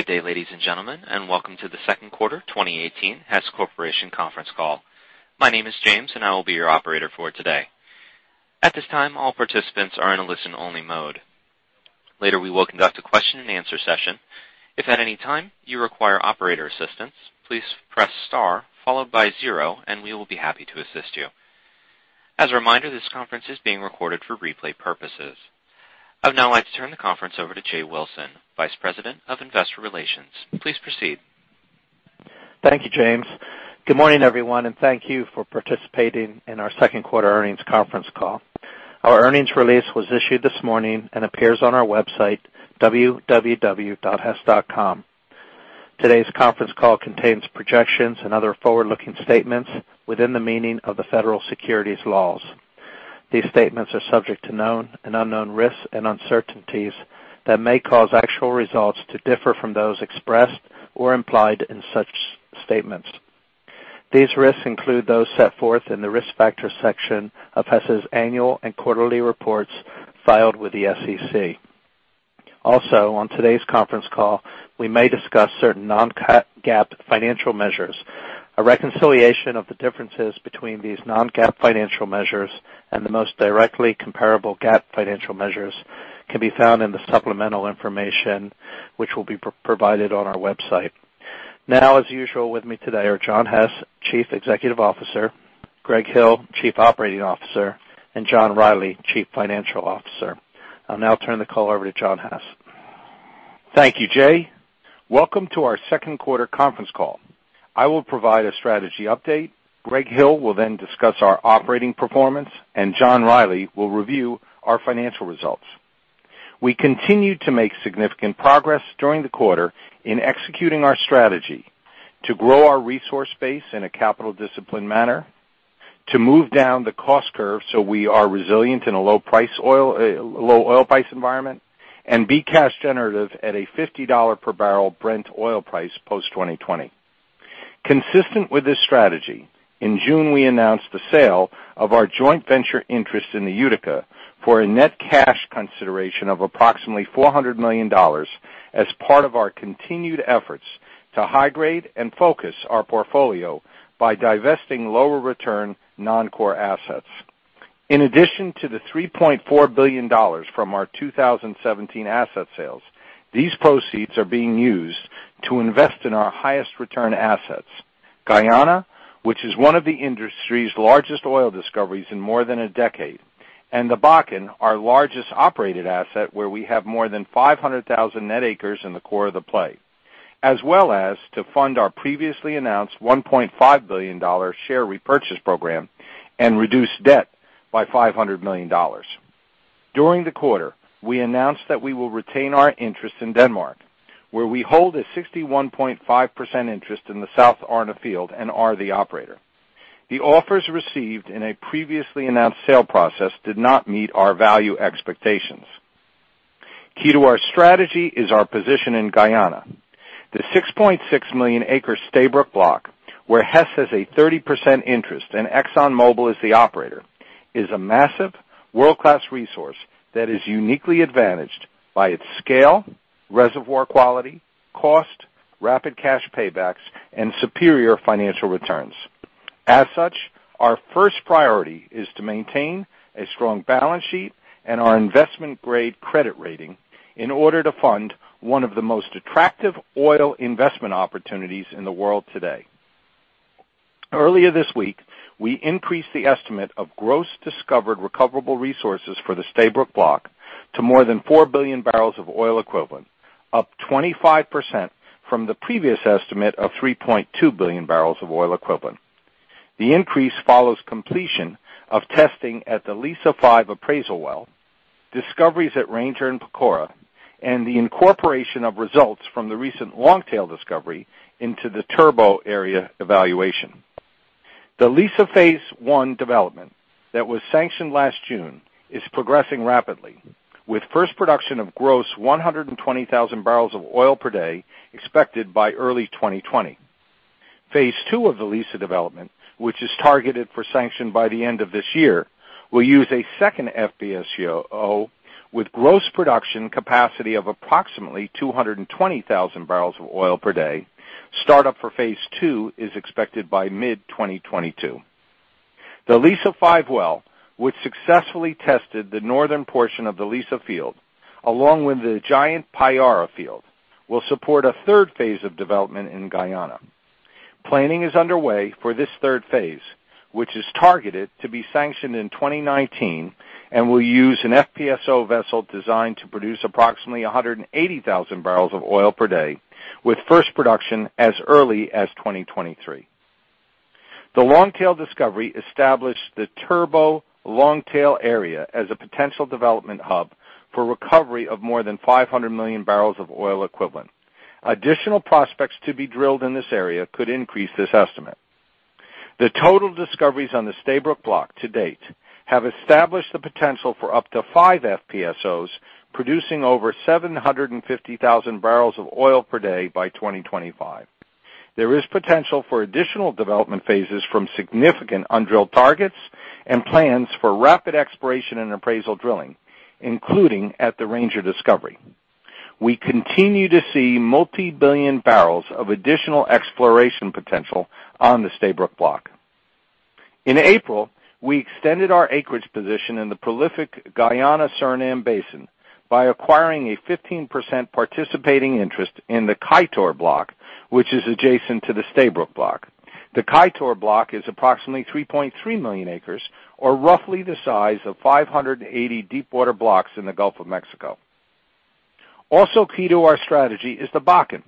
Good day, ladies and gentlemen, and welcome to the second quarter 2018 Hess Corporation conference call. My name is James and I will be your operator for today. At this time, all participants are in a listen-only mode. Later we will conduct a question and answer session. If at any time you require operator assistance, please press star followed by zero and we will be happy to assist you. As a reminder, this conference is being recorded for replay purposes. I'd now like to turn the conference over to Jay Wilson, Vice President of Investor Relations. Please proceed. Thank you, James. Good morning, everyone, and thank you for participating in our second quarter earnings conference call. Our earnings release was issued this morning and appears on our website, www.hess.com. Today's conference call contains projections and other forward-looking statements within the meaning of the federal securities laws. These statements are subject to known and unknown risks and uncertainties that may cause actual results to differ from those expressed or implied in such statements. These risks include those set forth in the risk factor section of Hess's annual and quarterly reports filed with the SEC. Also, on today's conference call, we may discuss certain non-GAAP financial measures. A reconciliation of the differences between these non-GAAP financial measures and the most directly comparable GAAP financial measures can be found in the supplemental information which will be provided on our website. As usual, with me today are John Hess, Chief Executive Officer, Greg Hill, Chief Operating Officer, and John Rielly, Chief Financial Officer. I'll now turn the call over to John Hess. Thank you, Jay. Welcome to our second quarter conference call. I will provide a strategy update. Greg Hill will then discuss our operating performance, and John Rielly will review our financial results. We continued to make significant progress during the quarter in executing our strategy to grow our resource base in a capital disciplined manner, to move down the cost curve so we are resilient in a low oil price environment, and be cash generative at a $50 per barrel Brent oil price post 2020. Consistent with this strategy, in June we announced the sale of our joint venture interest in the Utica for a net cash consideration of approximately $400 million as part of our continued efforts to high-grade and focus our portfolio by divesting lower return non-core assets. In addition to the $3.4 billion from our 2017 asset sales, these proceeds are being used to invest in our highest return assets, Guyana, which is one of the industry's largest oil discoveries in more than a decade, and the Bakken, our largest operated asset, where we have more than 500,000 net acres in the core of the play, as well as to fund our previously announced $1.5 billion share repurchase program and reduce debt by $500 million. During the quarter, we announced that we will retain our interest in Denmark, where we hold a 61.5% interest in the South Arne Field and are the operator. The offers received in a previously announced sale process did not meet our value expectations. Key to our strategy is our position in Guyana. The 6.6 million acre Stabroek Block, where Hess has a 30% interest and ExxonMobil is the operator, is a massive world-class resource that is uniquely advantaged by its scale, reservoir quality, cost, rapid cash paybacks, and superior financial returns. As such, our first priority is to maintain a strong balance sheet and our investment-grade credit rating in order to fund one of the most attractive oil investment opportunities in the world today. Earlier this week, we increased the estimate of gross discovered recoverable resources for the Stabroek Block to more than 4 billion barrels of oil equivalent, up 25% from the previous estimate of 3.2 billion barrels of oil equivalent. The increase follows completion of testing at the Liza-5 appraisal well, discoveries at Ranger and Pacora, and the incorporation of results from the recent Longtail discovery into the Turbot area evaluation. The Liza Phase 1 development that was sanctioned last June is progressing rapidly, with first production of gross 120,000 barrels of oil per day expected by early 2020. Phase 2 of the Liza development, which is targeted for sanction by the end of this year, will use a second FPSO with gross production capacity of approximately 220,000 barrels of oil per day. Startup for Phase 2 is expected by mid 2022. The Liza-5 well, which successfully tested the northern portion of the Liza field, along with the giant Payara field, will support a Phase 3 of development in Guyana. Planning is underway for this Phase 3, which is targeted to be sanctioned in 2019 and will use an FPSO vessel designed to produce approximately 180,000 barrels of oil per day, with first production as early as 2023. The Longtail discovery established the Turbot-Longtail area as a potential development hub for recovery of more than 500 million barrels of oil equivalent. Additional prospects to be drilled in this area could increase this estimate. The total discoveries on the Stabroek Block to date have established the potential for up to five FPSOs producing over 750,000 barrels of oil per day by 2025. There is potential for additional development phases from significant undrilled targets and plans for rapid exploration and appraisal drilling, including at the Ranger discovery. We continue to see multi-billion barrels of additional exploration potential on the Stabroek Block. In April, we extended our acreage position in the prolific Guyana-Suriname Basin by acquiring a 15% participating interest in the Kaieteur Block, which is adjacent to the Stabroek Block. The Kaieteur Block is approximately 3.3 million acres, or roughly the size of 580 deepwater blocks in the Gulf of Mexico. Also key to our strategy is the Bakken,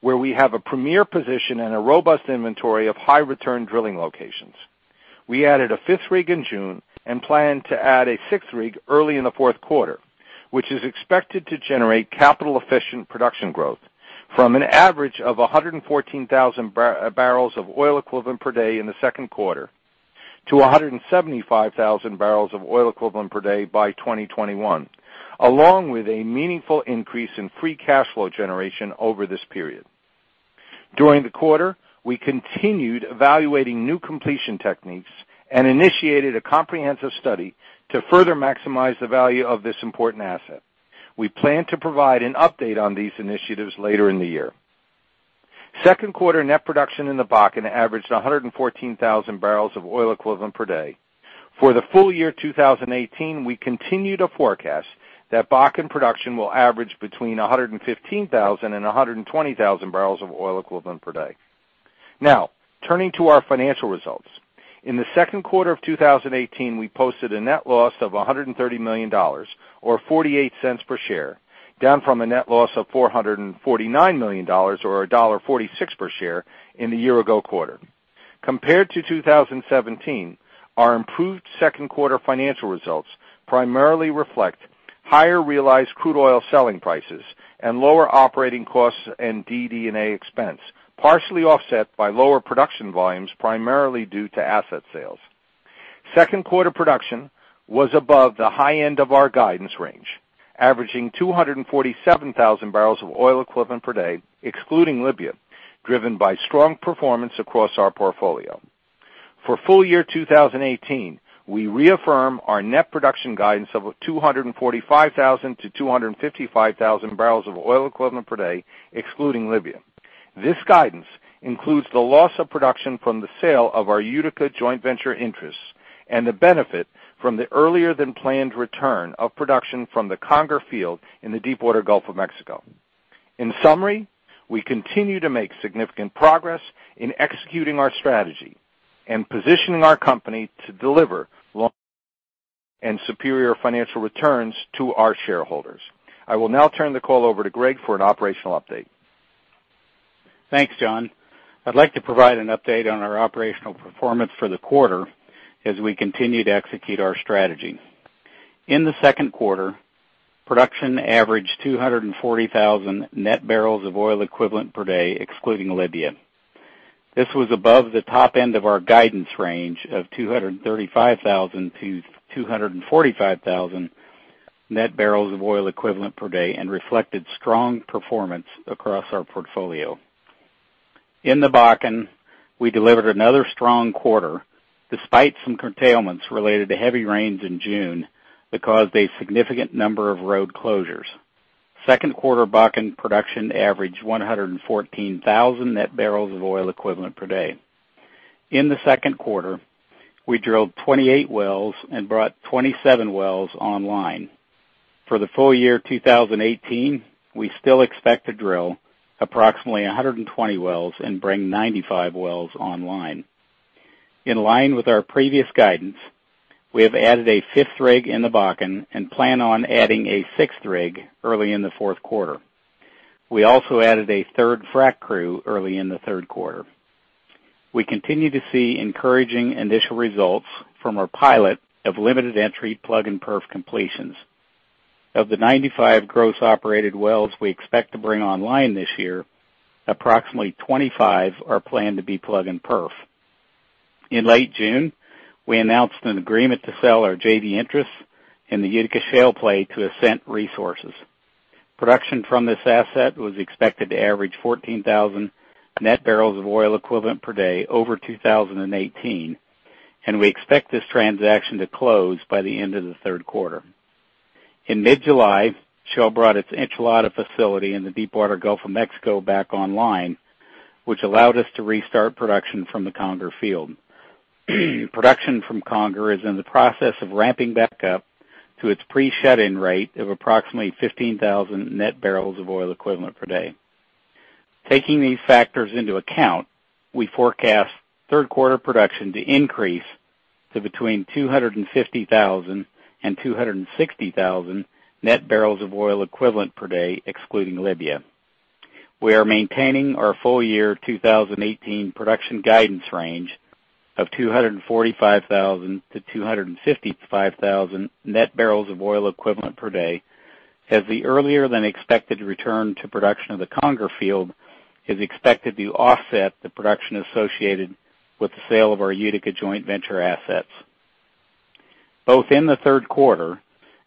where we have a premier position and a robust inventory of high return drilling locations. We added a fifth rig in June and plan to add a sixth rig early in the fourth quarter, which is expected to generate capital efficient production growth from an average of 114,000 barrels of oil equivalent per day in the second quarter to 175,000 barrels of oil equivalent per day by 2021, along with a meaningful increase in free cash flow generation over this period. During the quarter, we continued evaluating new completion techniques and initiated a comprehensive study to further maximize the value of this important asset. We plan to provide an update on these initiatives later in the year. Second quarter net production in the Bakken averaged 114,000 barrels of oil equivalent per day. For the full year 2018, we continue to forecast that Bakken production will average between 115,000 and 120,000 barrels of oil equivalent per day. Turning to our financial results. In the second quarter of 2018, we posted a net loss of $130 million, or $0.48 per share, down from a net loss of $449 million or $1.46 per share in the year ago quarter. Compared to 2017, our improved second quarter financial results primarily reflect higher realized crude oil selling prices and lower operating costs and DD&A expense, partially offset by lower production volumes, primarily due to asset sales. Second quarter production was above the high end of our guidance range, averaging 247,000 barrels of oil equivalent per day, excluding Libya, driven by strong performance across our portfolio. For full year 2018, we reaffirm our net production guidance of 245,000 to 255,000 barrels of oil equivalent per day, excluding Libya. This guidance includes the loss of production from the sale of our Utica joint venture interests and the benefit from the earlier than planned return of production from the Conger Field in the deepwater Gulf of Mexico. In summary, we continue to make significant progress in executing our strategy and positioning our company to deliver long and superior financial returns to our shareholders. I will now turn the call over to Greg for an operational update. Thanks, John. I'd like to provide an update on our operational performance for the quarter as we continue to execute our strategy. In the second quarter, production averaged 240,000 net barrels of oil equivalent per day, excluding Libya. This was above the top end of our guidance range of 235,000 to 245,000 net barrels of oil equivalent per day and reflected strong performance across our portfolio. In the Bakken, we delivered another strong quarter despite some curtailments related to heavy rains in June that caused a significant number of road closures. Second quarter Bakken production averaged 114,000 net barrels of oil equivalent per day. In the second quarter, we drilled 28 wells and brought 27 wells online. For the full year 2018, we still expect to drill approximately 120 wells and bring 95 wells online. In line with our previous guidance, we have added a fifth rig in the Bakken and plan on adding a sixth rig early in the fourth quarter. We also added a third frack crew early in the third quarter. We continue to see encouraging initial results from our pilot of limited entry plug and perf completions. Of the 95 gross operated wells we expect to bring online this year, approximately 25 are planned to be plug and perf. In late June, we announced an agreement to sell our JV interests in the Utica Shale play to Ascent Resources. Production from this asset was expected to average 14,000 net barrels of oil equivalent per day over 2018, and we expect this transaction to close by the end of the third quarter. In mid-July, Shell brought its Enchilada facility in the deepwater Gulf of Mexico back online, which allowed us to restart production from the Conger Field. Production from Conger is in the process of ramping back up to its pre-shut-in rate of approximately 15,000 net barrels of oil equivalent per day. Taking these factors into account, we forecast third quarter production to increase to between 250,000 and 260,000 net barrels of oil equivalent per day, excluding Libya. We are maintaining our full year 2018 production guidance range of 245,000 to 255,000 net barrels of oil equivalent per day, as the earlier than expected return to production of the Conger Field is expected to offset the production associated with the sale of our Utica joint venture assets. Both in the third quarter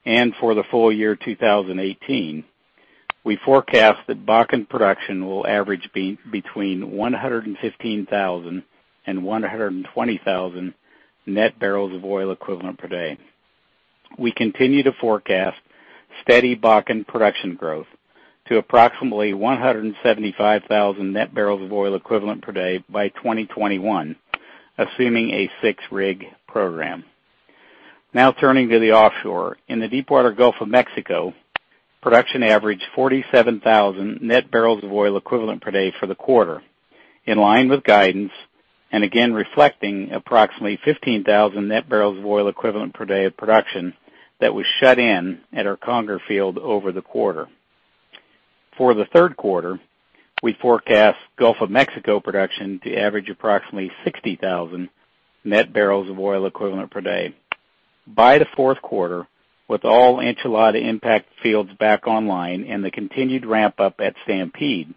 and for the full year 2018, we forecast that Bakken production will average between 115,000 and 120,000 net barrels of oil equivalent per day. We continue to forecast steady Bakken production growth to approximately 175,000 net barrels of oil equivalent per day by 2021, assuming a six-rig program. Now turning to the offshore. In the deepwater Gulf of Mexico, production averaged 47,000 net barrels of oil equivalent per day for the quarter, in line with guidance, and again reflecting approximately 15,000 net barrels of oil equivalent per day of production that was shut in at our Conger field over the quarter. For the third quarter, we forecast Gulf of Mexico production to average approximately 60,000 net barrels of oil equivalent per day. By the fourth quarter, with all Enchilada impact fields back online and the continued ramp-up at Stampede,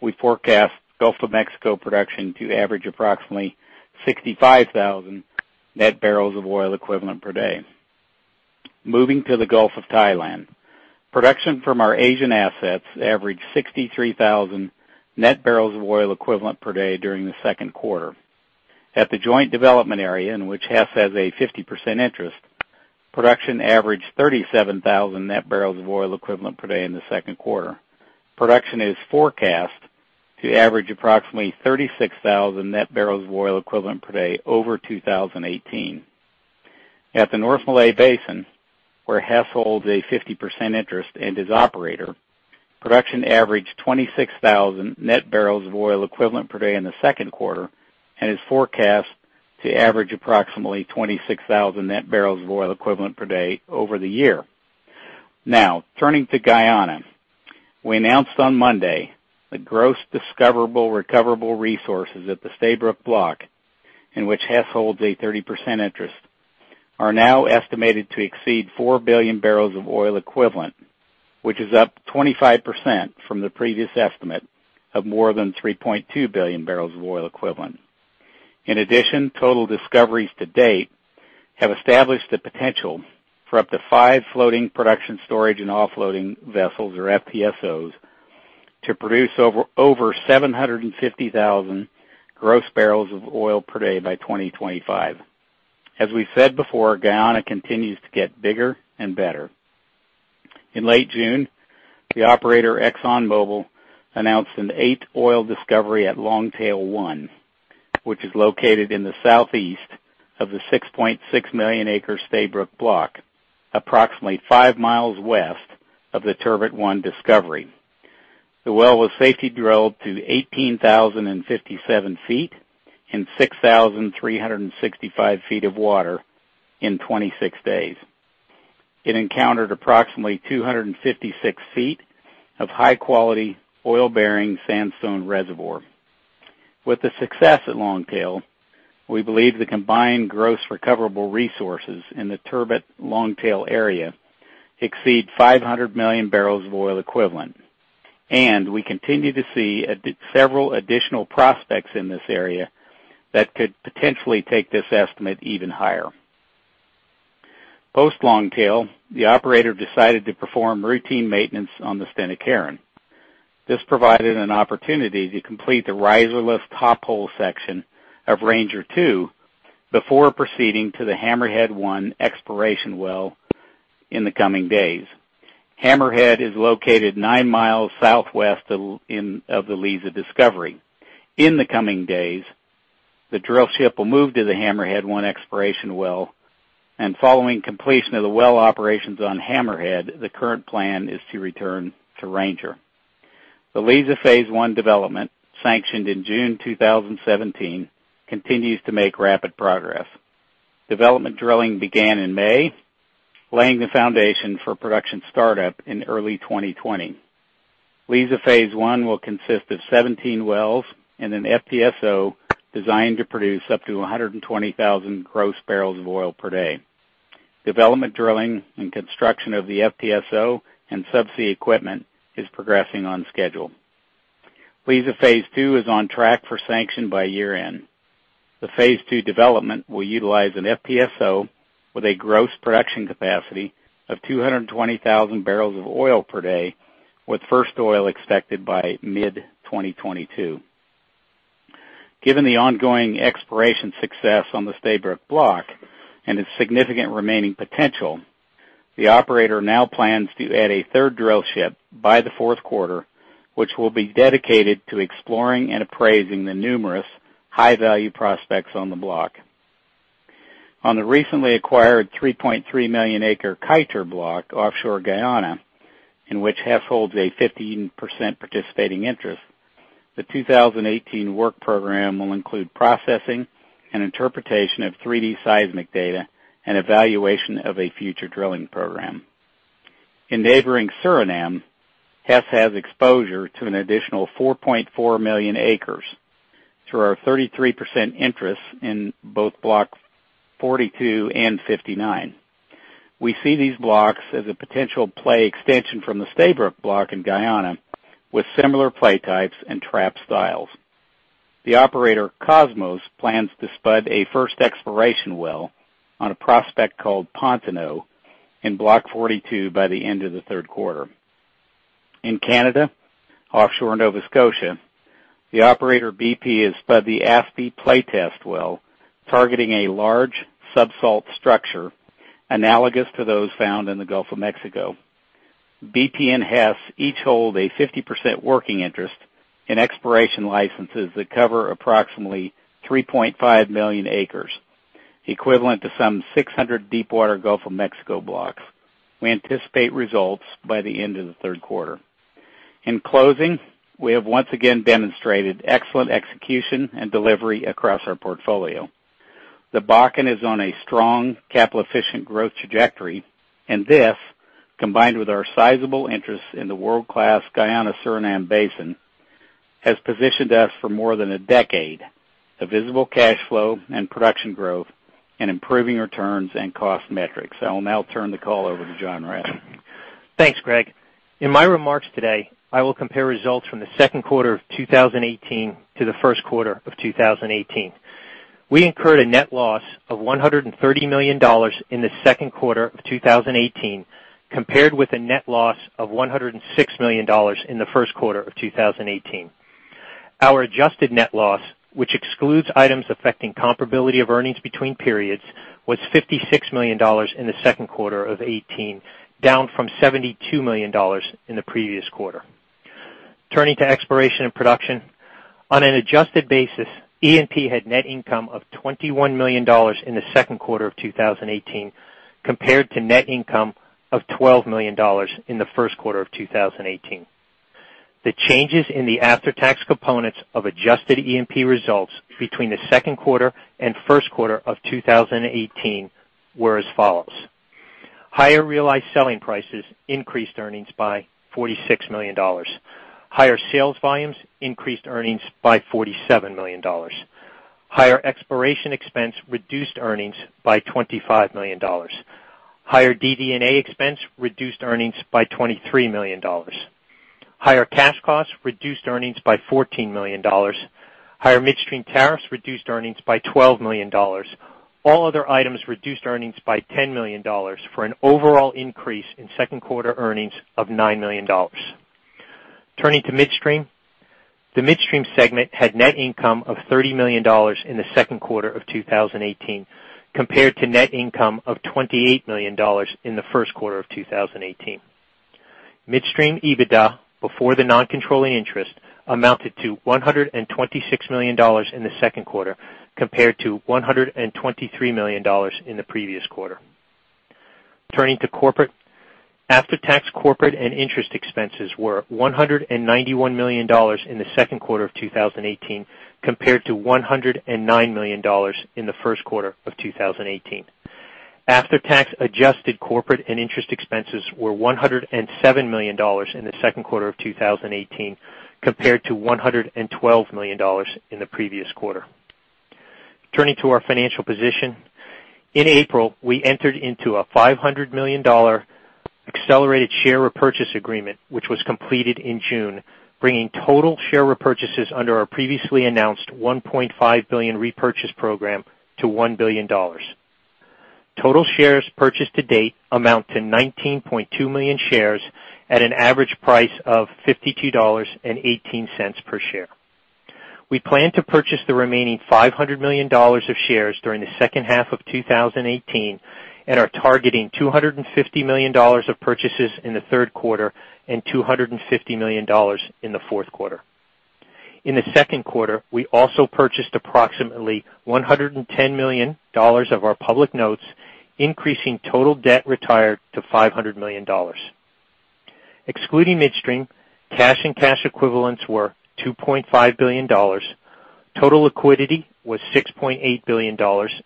we forecast Gulf of Mexico production to average approximately 65,000 net barrels of oil equivalent per day. Moving to the Gulf of Thailand. Production from our Asian assets averaged 63,000 net barrels of oil equivalent per day during the second quarter. At the joint development area in which Hess has a 50% interest, production averaged 37,000 net barrels of oil equivalent per day in the second quarter. Production is forecast to average approximately 36,000 net barrels of oil equivalent per day over 2018. At the North Malay Basin, where Hess holds a 50% interest and is operator, production averaged 26,000 net barrels of oil equivalent per day in the second quarter and is forecast to average approximately 26,000 net barrels of oil equivalent per day over the year. Now, turning to Guyana. We announced on Monday that gross discoverable recoverable resources at the Stabroek Block, in which Hess holds a 30% interest, are now estimated to exceed 4 billion barrels of oil equivalent, which is up 25% from the previous estimate of more than 3.2 billion barrels of oil equivalent. In addition, total discoveries to date have established the potential for up to five floating production storage and offloading vessels, or FPSOs, to produce over 750,000 gross barrels of oil per day by 2025. As we've said before, Guyana continues to get bigger and better. In late June, the operator, ExxonMobil, announced an eight oil discovery at Longtail-1, which is located in the southeast of the 6.6 million acre Stabroek Block, approximately five miles west of the Turbot-1 discovery. The well was safety-drilled to 18,057 feet in 6,365 feet of water in 26 days. It encountered approximately 256 feet of high-quality oil-bearing sandstone reservoir. With the success at Longtail, we believe the combined gross recoverable resources in the Turbot-Longtail area exceed 500 million barrels of oil equivalent, and we continue to see several additional prospects in this area that could potentially take this estimate even higher. Post Longtail, the operator decided to perform routine maintenance on the Stena Carron. This provided an opportunity to complete the riser less top hole section of Ranger-2 before proceeding to the Hammerhead-1 exploration well in the coming days. Hammerhead is located nine miles southwest of the Liza discovery. In the coming days, the drill ship will move to the Hammerhead-1 exploration well, and following completion of the well operations on Hammerhead, the current plan is to return to Ranger. The Liza Phase One development, sanctioned in June 2017, continues to make rapid progress. Development drilling began in May, laying the foundation for production startup in early 2020. Liza Phase One will consist of 17 wells and an FPSO designed to produce up to 120,000 gross barrels of oil per day. Development drilling and construction of the FPSO and sub-sea equipment is progressing on schedule. Liza Phase Two is on track for sanction by year-end. The Phase Two development will utilize an FPSO with a gross production capacity of 220,000 barrels of oil per day, with first oil expected by mid-2022. Given the ongoing exploration success on the Stabroek Block and its significant remaining potential, the operator now plans to add a third drill ship by the fourth quarter, which will be dedicated to exploring and appraising the numerous high-value prospects on the block. On the recently acquired 3.3 million acre Kaieteur Block offshore Guyana, in which Hess holds a 15% participating interest, the 2018 work program will include processing and interpretation of 3D seismic data and evaluation of a future drilling program. In neighboring Suriname, Hess has exposure to an additional 4.4 million acres through our 33% interest in both Block 42 and 59. We see these blocks as a potential play extension from the Stabroek Block in Guyana with similar play types and trap styles. The operator, Kosmos, plans to spud a first exploration well on a prospect called Pontoenoe in Block 42 by the end of the third quarter. In Canada, offshore Nova Scotia, the operator, BP, has spud the Aspy play test well, targeting a large sub-salt structure analogous to those found in the Gulf of Mexico. BP and Hess each hold a 50% working interest in exploration licenses that cover approximately 3.5 million acres, equivalent to some 600 deepwater Gulf of Mexico blocks. We anticipate results by the end of the third quarter. In closing, we have once again demonstrated excellent execution and delivery across our portfolio. The Bakken is on a strong capital efficient growth trajectory, and this, combined with our sizable interest in the world-class Guyana-Suriname Basin, has positioned us for more than a decade of visible cash flow and production growth and improving returns and cost metrics. I will now turn the call over to John Rielly. Thanks, Greg. In my remarks today, I will compare results from the second quarter of 2018 to the first quarter of 2018. We incurred a net loss of $130 million in the second quarter of 2018, compared with a net loss of $106 million in the first quarter of 2018. Our adjusted net loss, which excludes items affecting comparability of earnings between periods, was $56 million in the second quarter of 2018, down from $72 million in the previous quarter. Turning to exploration and production. On an adjusted basis, E&P had net income of $21 million in the second quarter of 2018, compared to net income of $12 million in the first quarter of 2018. The changes in the after-tax components of adjusted E&P results between the second quarter and first quarter of 2018 were as follows. Higher realized selling prices increased earnings by $46 million. Higher sales volumes increased earnings by $47 million. Higher exploration expense reduced earnings by $25 million. Higher DD&A expense reduced earnings by $23 million. Higher cash costs reduced earnings by $14 million. Higher midstream tariffs reduced earnings by $12 million. All other items reduced earnings by $10 million for an overall increase in second quarter earnings of $9 million. Turning to midstream. The midstream segment had net income of $30 million in the second quarter of 2018, compared to net income of $28 million in the first quarter of 2018. Midstream EBITDA, before the non-controlling interest, amounted to $126 million in the second quarter, compared to $123 million in the previous quarter. Turning to corporate. After-tax corporate and interest expenses were $191 million in the second quarter of 2018, compared to $109 million in the first quarter of 2018. After-tax adjusted corporate and interest expenses were $107 million in the second quarter of 2018, compared to $112 million in the previous quarter. Turning to our financial position. In April, we entered into a $500 million accelerated share repurchase agreement, which was completed in June, bringing total share repurchases under our previously announced $1.5 billion repurchase program to $1 billion. Total shares purchased to date amount to 19.2 million shares at an average price of $52.18 per share. We plan to purchase the remaining $500 million of shares during the second half of 2018 and are targeting $250 million of purchases in the third quarter and $250 million in the fourth quarter. In the second quarter, we also purchased approximately $110 million of our public notes, increasing total debt retired to $500 million. Excluding midstream, cash and cash equivalents were $2.5 billion. Total liquidity was $6.8 billion,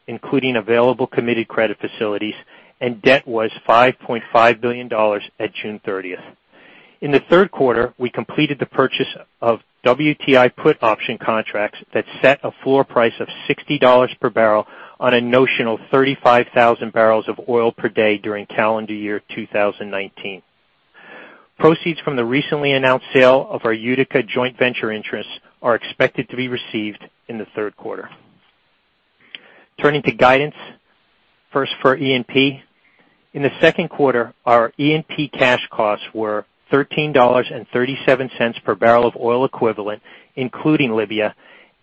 including available committed credit facilities, and debt was $5.5 billion at June 30th. In the third quarter, we completed the purchase of WTI put option contracts that set a floor price of $60 per barrel on a notional 35,000 barrels of oil per day during calendar year 2019. Proceeds from the recently announced sale of our Utica joint venture interests are expected to be received in the third quarter. Turning to guidance. First for E&P. In the second quarter, our E&P cash costs were $13.37 per barrel of oil equivalent, including Libya,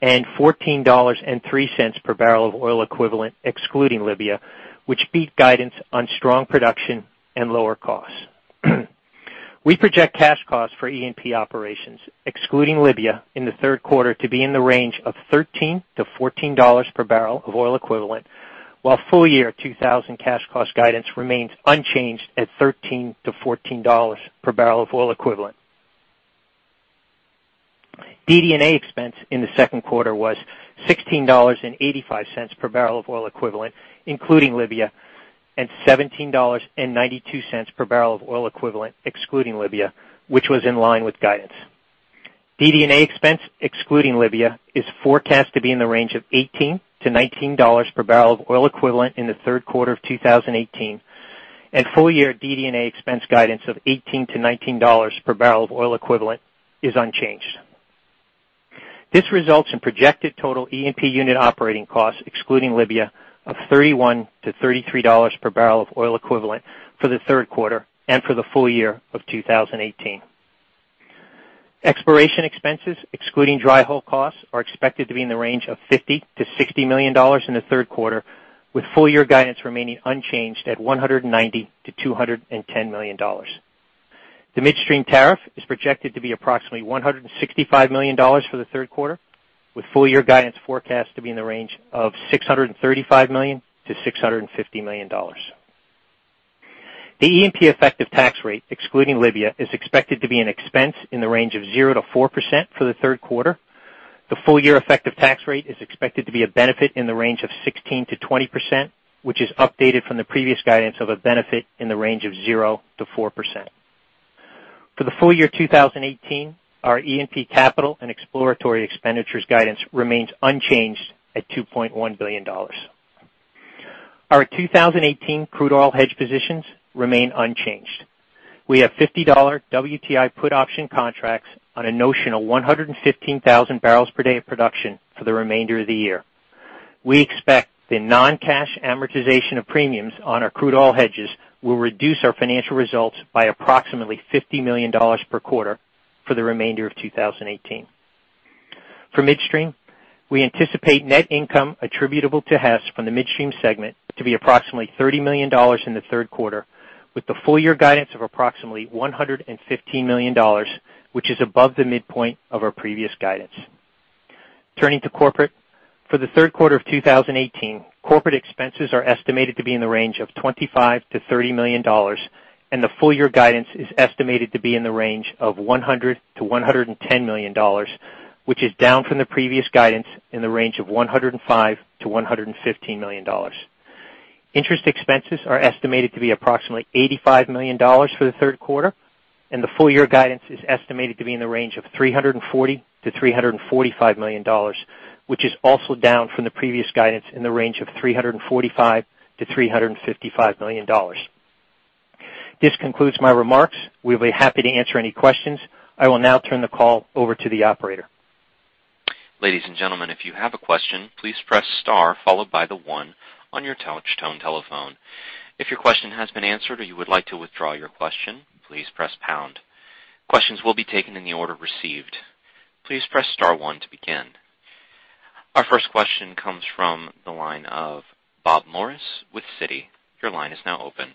and $14.03 per barrel of oil equivalent excluding Libya, which beat guidance on strong production and lower costs. We project cash costs for E&P operations, excluding Libya, in the third quarter to be in the range of $13-$14 per barrel of oil equivalent, while full year 2000 cash cost guidance remains unchanged at $13-$14 per barrel of oil equivalent. DD&A expense in the second quarter was $16.85 per barrel of oil equivalent, including Libya, and $17.92 per barrel of oil equivalent excluding Libya, which was in line with guidance. DD&A expense excluding Libya is forecast to be in the range of $18-$19 per barrel of oil equivalent in the third quarter of 2018. Full year DD&A expense guidance of $18-$19 per barrel of oil equivalent is unchanged. This results in projected total E&P unit operating costs, excluding Libya, of $31-$33 per barrel of oil equivalent for the third quarter and for the full year of 2018. Exploration expenses, excluding dry hole costs, are expected to be in the range of $50 million-$60 million in the third quarter, with full year guidance remaining unchanged at $190 million-$210 million. The midstream tariff is projected to be approximately $165 million for the third quarter, with full year guidance forecast to be in the range of $635 million-$650 million. The E&P effective tax rate, excluding Libya, is expected to be an expense in the range of 0%-4% for the third quarter. The full year effective tax rate is expected to be a benefit in the range of 16%-20%, which is updated from the previous guidance of a benefit in the range of 0%-4%. For the full year 2018, our E&P capital and exploratory expenditures guidance remains unchanged at $2.1 billion. Our 2018 crude oil hedge positions remain unchanged. We have $50 WTI put option contracts on a notional 115,000 barrels per day of production for the remainder of the year. We expect the non-cash amortization of premiums on our crude oil hedges will reduce our financial results by approximately $50 million per quarter for the remainder of 2018. For midstream, we anticipate net income attributable to Hess from the midstream segment to be approximately $30 million in the third quarter, with the full year guidance of approximately $115 million, which is above the midpoint of our previous guidance. Turning to corporate. For the third quarter of 2018, corporate expenses are estimated to be in the range of $25 million-$30 million. The full year guidance is estimated to be in the range of $100 million-$110 million, which is down from the previous guidance in the range of $105 million-$115 million. Interest expenses are estimated to be approximately $85 million for the third quarter. The full year guidance is estimated to be in the range of $340 million-$345 million, which is also down from the previous guidance in the range of $345 million-$355 million. This concludes my remarks. We'll be happy to answer any questions. I will now turn the call over to the operator. Ladies and gentlemen, if you have a question, please press star followed by the 1 on your touchtone telephone. If your question has been answered or you would like to withdraw your question, please press pound. Questions will be taken in the order received. Please press star 1 to begin. Our first question comes from the line of Bob Morris with Citi. Your line is now open.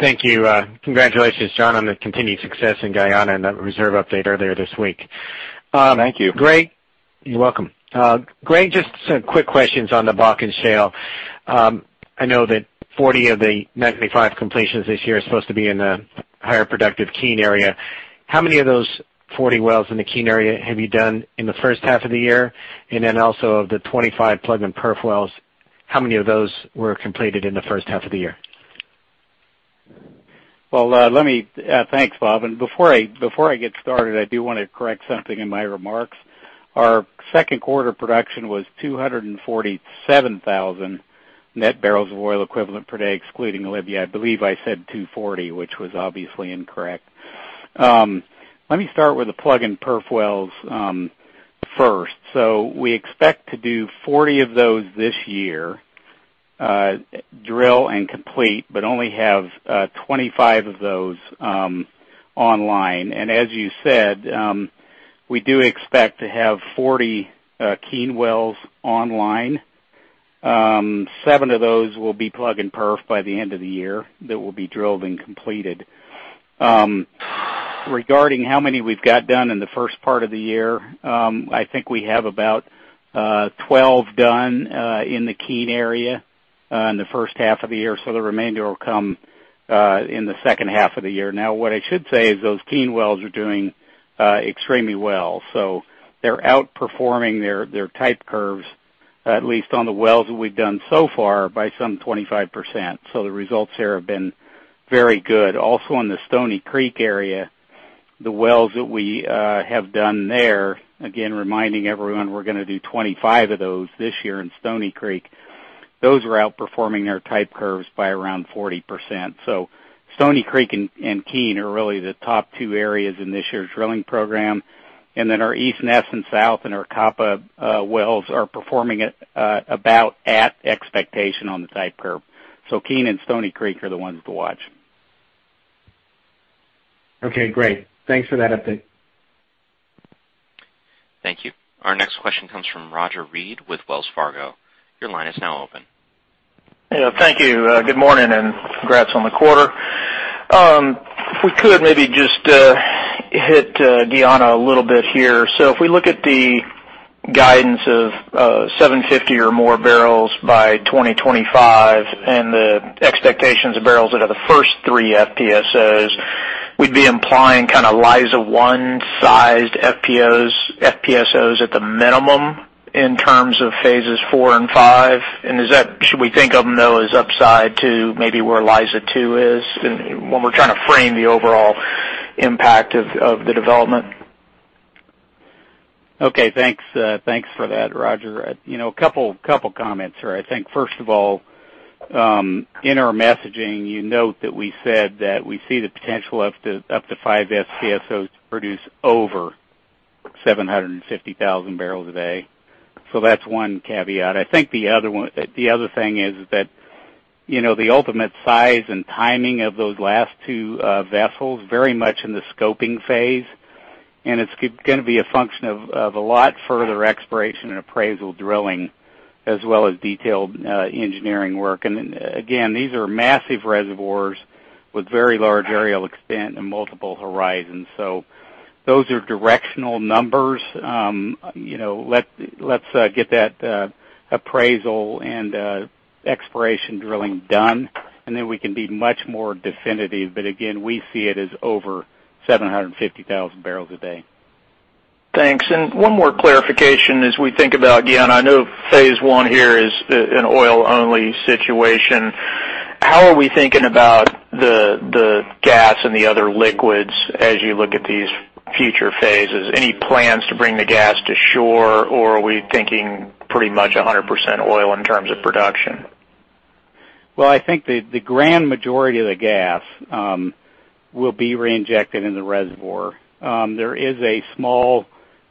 Thank you. Congratulations, John, on the continued success in Guyana and that reserve update earlier this week. Thank you. You're welcome. Greg, just some quick questions on the Bakken Shale. I know that 40 of the 95 completions this year are supposed to be in the higher productive Keene area. How many of those 40 wells in the Keene area have you done in the first half of the year? Also of the 25 plug and perf wells, how many of those were completed in the first half of the year? Well, thanks, Bob. Before I get started, I do want to correct something in my remarks. Our second quarter production was 247,000 net barrels of oil equivalent per day, excluding Libya. I believe I said 240, which was obviously incorrect. Let me start with the plug and perf wells first. We expect to do 40 of those this year, drill and complete, but only have 25 of those online. As you said, we do expect to have 40 Keene wells online. Seven of those will be plug and perf by the end of the year that will be drilled and completed. Regarding how many we've got done in the first part of the year, I think we have about 12 done in the Keene area in the first half of the year. The remainder will come in the second half of the year. Now, what I should say is those Keene wells are doing extremely well. They're outperforming their type curves, at least on the wells that we've done so far, by some 25%. The results there have been very good. Also in the Stony Creek area, the wells that we have done there, again, reminding everyone we're going to do 25 of those this year in Stony Creek. Those are outperforming their type curves by around 40%. Stony Creek and Keene are really the top two areas in this year's drilling program. Our East Nesson and South and our Capa wells are performing about at expectation on the type curve. Keene and Stony Creek are the ones to watch. Okay, great. Thanks for that update. Thank you. Our next question comes from Roger Read with Wells Fargo. Your line is now open. Thank you. Good morning, congrats on the quarter. If we could maybe just hit Guyana a little bit here. If we look at the guidance of 750 or more barrels by 2025 and the expectations of barrels out of the first three FPSOs, we'd be implying Liza-1 sized FPSOs at the minimum in terms of phases four and five. Should we think of them, though, as upside to maybe where Liza-2 is when we're trying to frame the overall impact of the development? Okay. Thanks for that, Roger. A couple of comments. I think first of all, in our messaging, you note that we said that we see the potential up to five FPSOs to produce over 750,000 barrels a day. That's one caveat. I think the other thing is that the ultimate size and timing of those last two vessels, very much in the scoping phase, and it's going to be a function of a lot further exploration and appraisal drilling, as well as detailed engineering work. Again, these are massive reservoirs with very large areal extent and multiple horizons. Those are directional numbers. Let's get that appraisal and exploration drilling done, then we can be much more definitive. Again, we see it as over 750,000 barrels a day. Thanks. One more clarification as we think about Guyana. I know phase one here is an oil-only situation. How are we thinking about the gas and the other liquids as you look at these future phases? Any plans to bring the gas to shore, or are we thinking pretty much 100% oil in terms of production? Well, I think the grand majority of the gas will be reinjected in the reservoir. There is a small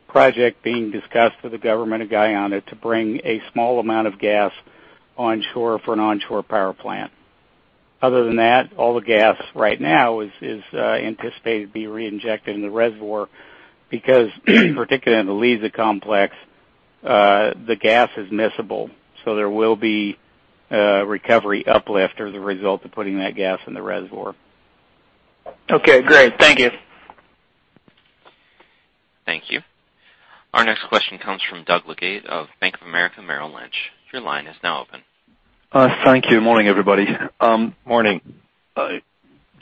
project being discussed with the government of Guyana to bring a small amount of gas onshore for an onshore power plant. Other than that, all the gas right now is anticipated to be reinjected in the reservoir because particularly in the Liza complex, the gas is miscible, so there will be recovery uplift as a result of putting that gas in the reservoir. Okay, great. Thank you. Thank you. Our next question comes from Doug Leggate of Bank of America Merrill Lynch. Your line is now open. Thank you. Morning, everybody. Morning.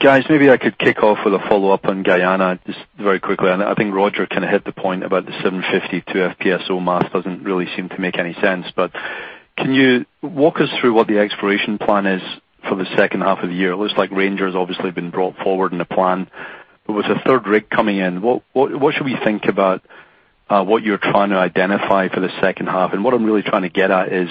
Guys, maybe I could kick off with a follow-up on Guyana just very quickly. I think Roger hit the point about the 752 FPSO mass doesn't really seem to make any sense. Can you walk us through what the exploration plan is for the second half of the year? It looks like Ranger's obviously been brought forward in the plan. There was a third rig coming in. What should we think about what you're trying to identify for the second half? What I'm really trying to get at is,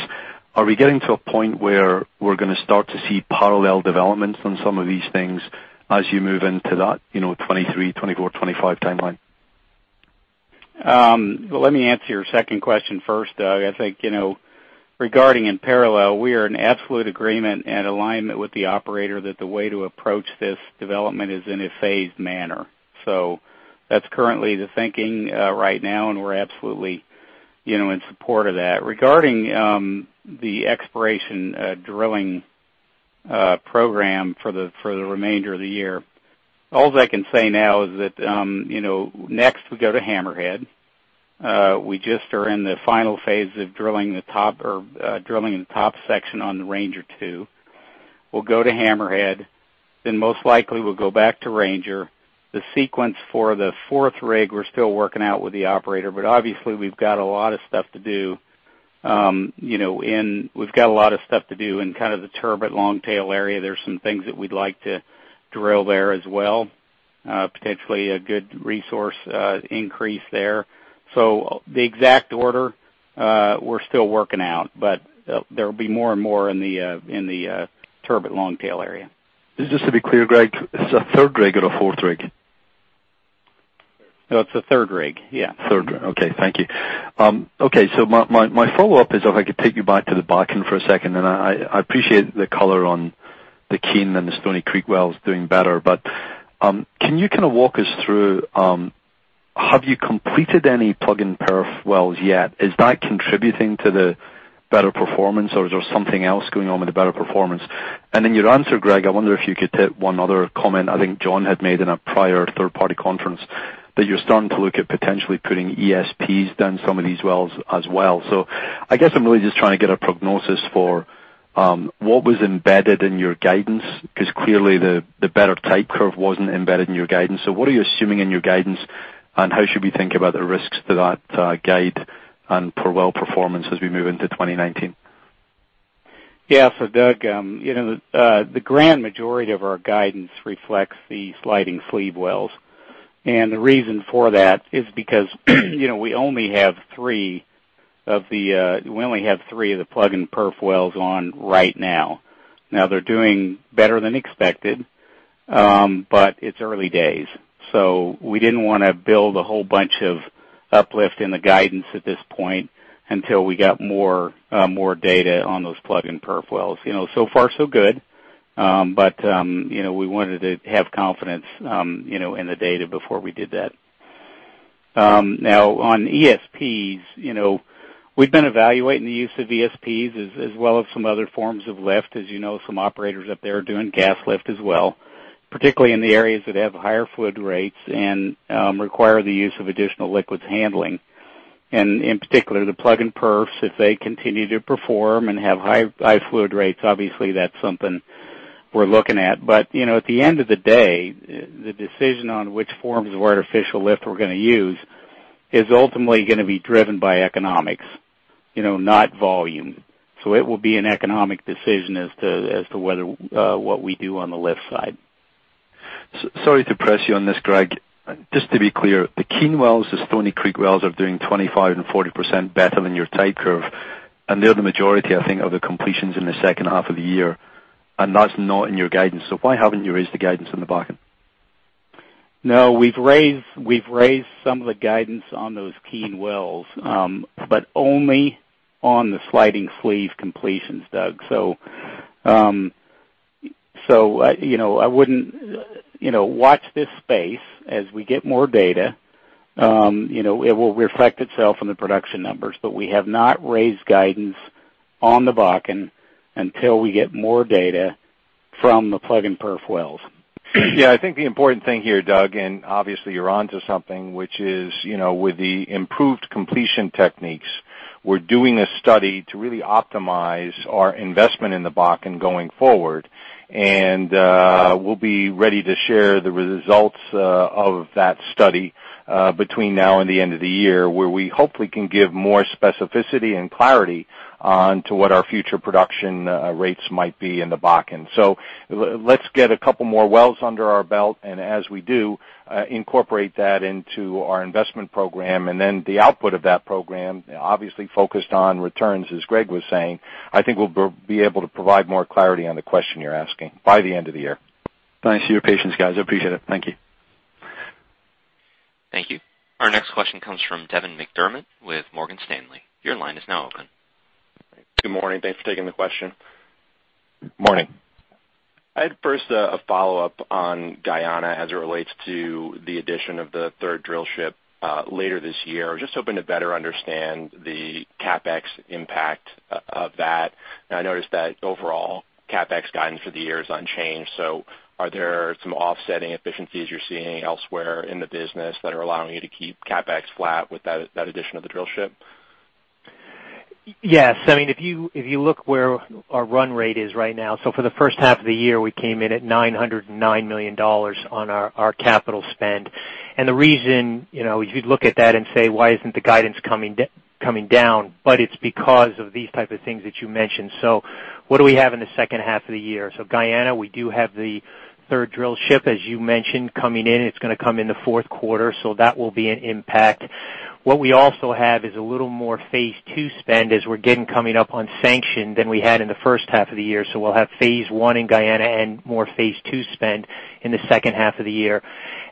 are we getting to a point where we're going to start to see parallel developments on some of these things as you move into that 2023, 2024, 2025 timeline? Let me answer your second question first, Doug. I think regarding in parallel, we are in absolute agreement and alignment with the operator that the way to approach this development is in a phased manner. That's currently the thinking right now, and we're absolutely in support of that. Regarding the exploration drilling program for the remainder of the year, all I can say now is that next we go to Hammerhead. We just are in the final phase of drilling the top section on the Ranger-2. We'll go to Hammerhead, most likely we'll go back to Ranger. The sequence for the fourth rig, we're still working out with the operator, obviously we've got a lot of stuff to do in the Turbot-Longtail area. There's some things that we'd like to drill there as well. Potentially a good resource increase there. The exact order, we're still working out, there'll be more and more in the Turbot-Longtail area. Just to be clear, Greg, is this a third rig or a fourth rig? No, it's a third rig. Yeah. Third. Okay. Thank you. Okay. My follow-up is if I could take you back to the Bakken for a second, and I appreciate the color on the Keene and the Stony Creek wells doing better. Can you walk us through, have you completed any plug and perf wells yet? Is that contributing to the better performance, or is there something else going on with the better performance? In your answer, Greg, I wonder if you could hit one other comment I think John had made in a prior third-party conference, that you're starting to look at potentially putting ESPs down some of these wells as well. I guess I'm really just trying to get a prognosis for what was embedded in your guidance, because clearly the better type curve wasn't embedded in your guidance. What are you assuming in your guidance, and how should we think about the risks to that guide and per well performance as we move into 2019? Yeah. Doug, the grand majority of our guidance reflects the sliding sleeve wells. The reason for that is because we only have three of the plug and perf wells on right now. They're doing better than expected, but it's early days, so we didn't want to build a whole bunch of uplift in the guidance at this point until we got more data on those plug and perf wells. So far so good. We wanted to have confidence in the data before we did that. On ESPs, we've been evaluating the use of ESPs as well as some other forms of lift. You know, some operators up there are doing gas lift as well, particularly in the areas that have higher fluid rates and require the use of additional liquids handling. In particular, the plug and perfs, if they continue to perform and have high fluid rates, obviously that's something we're looking at. At the end of the day, the decision on which forms of artificial lift we're going to use is ultimately going to be driven by economics, not volume. It will be an economic decision as to what we do on the lift side. Sorry to press you on this, Greg. Just to be clear, the Keene wells, the Stony Creek wells are doing 25% and 40% better than your type curve, and they're the majority, I think, of the completions in the second half of the year, and that's not in your guidance. Why haven't you raised the guidance on the Bakken? No, we've raised some of the guidance on those Keene wells. Only on the sliding sleeve completions, Doug. Watch this space as we get more data. It will reflect itself in the production numbers, but we have not raised guidance on the Bakken until we get more data from the plug and perf wells. Yeah, I think the important thing here, Doug, obviously you're onto something, which is with the improved completion techniques, we're doing a study to really optimize our investment in the Bakken going forward. We'll be ready to share the results of that study between now and the end of the year, where we hope we can give more specificity and clarity onto what our future production rates might be in the Bakken. Let's get a couple more wells under our belt, and as we do, incorporate that into our investment program. The output of that program, obviously focused on returns, as Greg was saying, I think we'll be able to provide more clarity on the question you're asking by the end of the year. Thanks for your patience, guys. I appreciate it. Thank you. Thank you. Our next question comes from Devin McDermott with Morgan Stanley. Your line is now open. Good morning. Thanks for taking the question. Morning. I had first a follow-up on Guyana as it relates to the addition of the third drill ship later this year. Just hoping to better understand the CapEx impact of that. I noticed that overall CapEx guidance for the year is unchanged. Are there some offsetting efficiencies you're seeing elsewhere in the business that are allowing you to keep CapEx flat with that addition of the drill ship? Yes. If you look where our run rate is right now, for the first half of the year, we came in at $909 million on our capital spend. The reason, if you'd look at that and say, "Why isn't the guidance coming down?" It's because of these type of things that you mentioned. What do we have in the second half of the year? Guyana, we do have the third drill ship, as you mentioned, coming in. It's going to come in the fourth quarter, so that will be an impact. What we also have is a little more phase 2 spend as we're getting coming up on sanction than we had in the first half of the year. We'll have phase 1 in Guyana and more phase 2 spend in the second half of the year.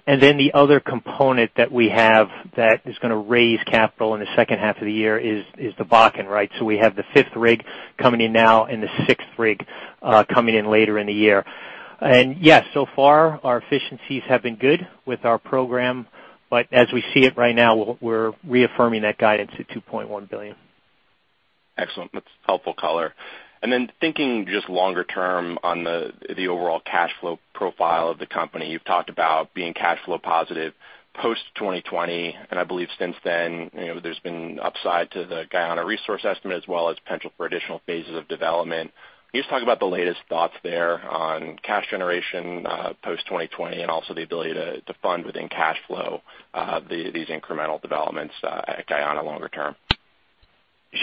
The other component that we have that is going to raise capital in the second half of the year is the Bakken. We have the fifth rig coming in now and the sixth rig coming in later in the year. Yes, so far, our efficiencies have been good with our program. As we see it right now, we're reaffirming that guidance to $2.1 billion. Excellent. That's helpful color. Thinking just longer term on the overall cash flow profile of the company. You've talked about being cash flow positive post 2020, and I believe since then, there's been upside to the Guyana resource estimate, as well as potential for additional phases of development. Can you just talk about the latest thoughts there on cash generation post 2020 and also the ability to fund within cash flow these incremental developments at Guyana longer term?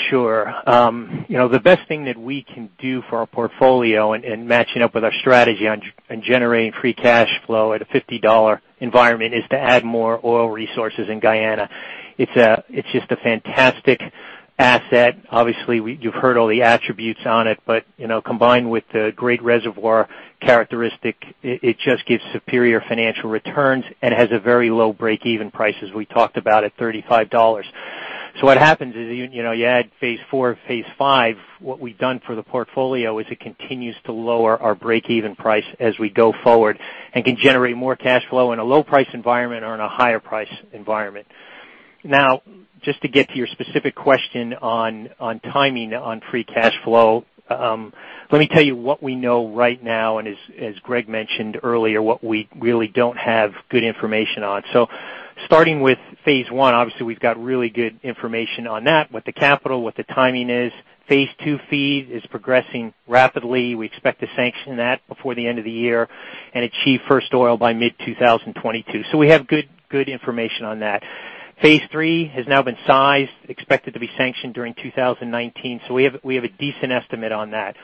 Sure. The best thing that we can do for our portfolio, and matching up with our strategy on generating free cash flow at a $50 environment, is to add more oil resources in Guyana. It's just a fantastic asset. Obviously, you've heard all the attributes on it, but combined with the great reservoir characteristic, it just gives superior financial returns and has a very low breakeven price, as we talked about, at $35. What happens is, you add phase 4, phase 5, what we've done for the portfolio is it continues to lower our breakeven price as we go forward and can generate more cash flow in a low price environment or in a higher price environment. Now, just to get to your specific question on timing on free cash flow. Let me tell you what we know right now, and as Greg mentioned earlier, what we really don't have good information on. Starting with phase 1, obviously we've got really good information on that, what the capital, what the timing is. Phase 2 FEED is progressing rapidly. We expect to sanction that before the end of the year and achieve first oil by mid-2022. We have good information on that. Phase 3 has now been sized, expected to be sanctioned during 2019. We have a decent estimate on that.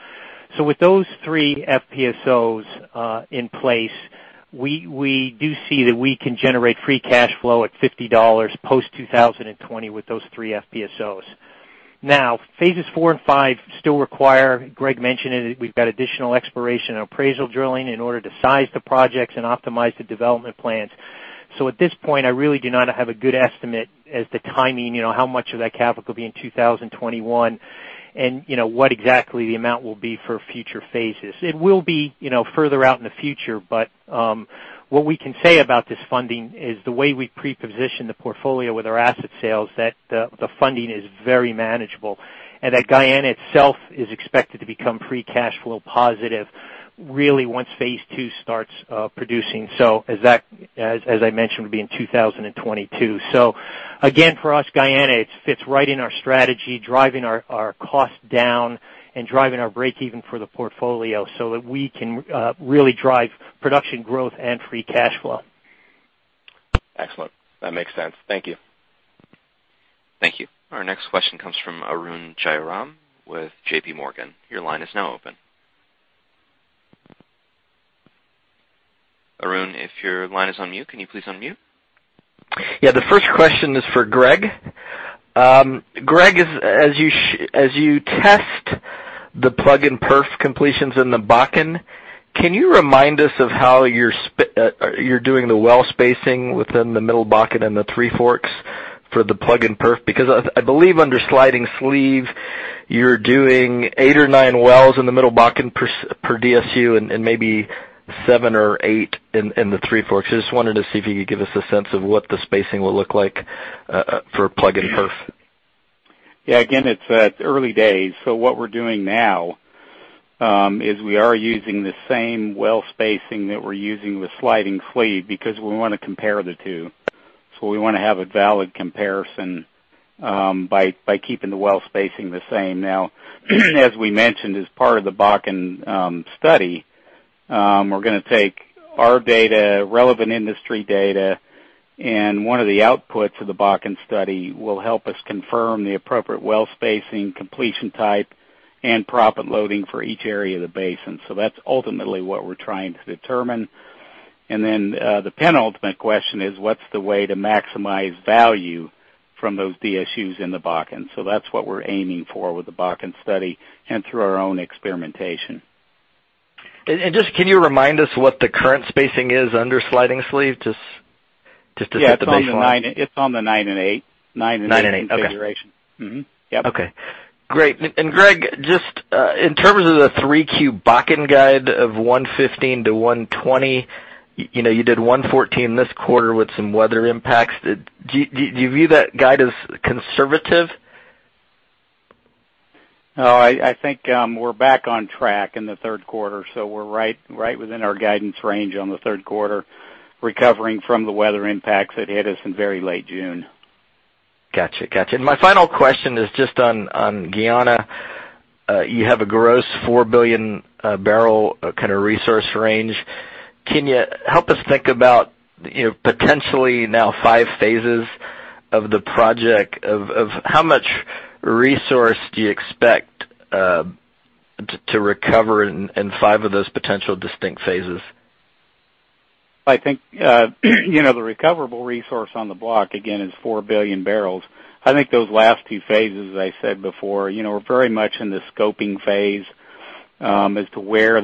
With those three FPSOs in place, we do see that we can generate free cash flow at $50 post-2020 with those three FPSOs. Phases 4 and 5 still require, Greg mentioned it, we've got additional exploration and appraisal drilling in order to size the projects and optimize the development plans. At this point, I really do not have a good estimate as to timing, how much of that capital will be in 2021, and what exactly the amount will be for future phases. It will be further out in the future, but what we can say about this funding is the way we pre-positioned the portfolio with our asset sales, that the funding is very manageable, and that Guyana itself is expected to become free cash flow positive really once phase 2 starts producing. As I mentioned, will be in 2022. Again, for us, Guyana, it fits right in our strategy, driving our cost down, and driving our breakeven for the portfolio that we can really drive production growth and free cash flow. Excellent. That makes sense. Thank you. Thank you. Our next question comes from Arun Jayaram with JPMorgan. Your line is now open. Arun, if your line is on mute, can you please unmute? The first question is for Greg. Greg, as you test the plug and perf completions in the Bakken, can you remind us of how you're doing the well spacing within the Middle Bakken and the Three Forks for the plug and perf? Because I believe under sliding sleeve, you're doing eight or nine wells in the Middle Bakken per DSU and maybe seven or eight in the Three Forks. I just wanted to see if you could give us a sense of what the spacing will look like for plug and perf. Yeah. Again, it's early days. What we're doing now, is we are using the same well spacing that we're using with sliding sleeve because we want to compare the two. We want to have a valid comparison by keeping the well spacing the same. Now, as we mentioned as part of the Bakken study, we're going to take our data, relevant industry data, and one of the outputs of the Bakken study will help us confirm the appropriate well spacing, completion type, and proppant loading for each area of the basin. That's ultimately what we're trying to determine. The penultimate question is what's the way to maximize value from those DSUs in the Bakken. That's what we're aiming for with the Bakken study and through our own experimentation. Just can you remind us what the current spacing is under sliding sleeve, just to set the baseline? Yeah. It's on the nine and eight configuration. Nine and eight. Okay. Mm-hmm. Yep. Okay. Great. Greg, just in terms of the 3Q Bakken guide of 115 to 120, you did 114 this quarter with some weather impacts. Do you view that guide as conservative? No, I think we're back on track in the third quarter, we're right within our guidance range on the third quarter, recovering from the weather impacts that hit us in very late June. Got you. My final question is just on Guyana. You have a gross 4 billion barrel kind of resource range. Can you help us think about, potentially now phases of the project, of how much resource do you expect to recover in 5 of those potential distinct phases? I think, the recoverable resource on the block, again, is 4 billion barrels. I think those last two phases, as I said before, we're very much in the scoping phase as to where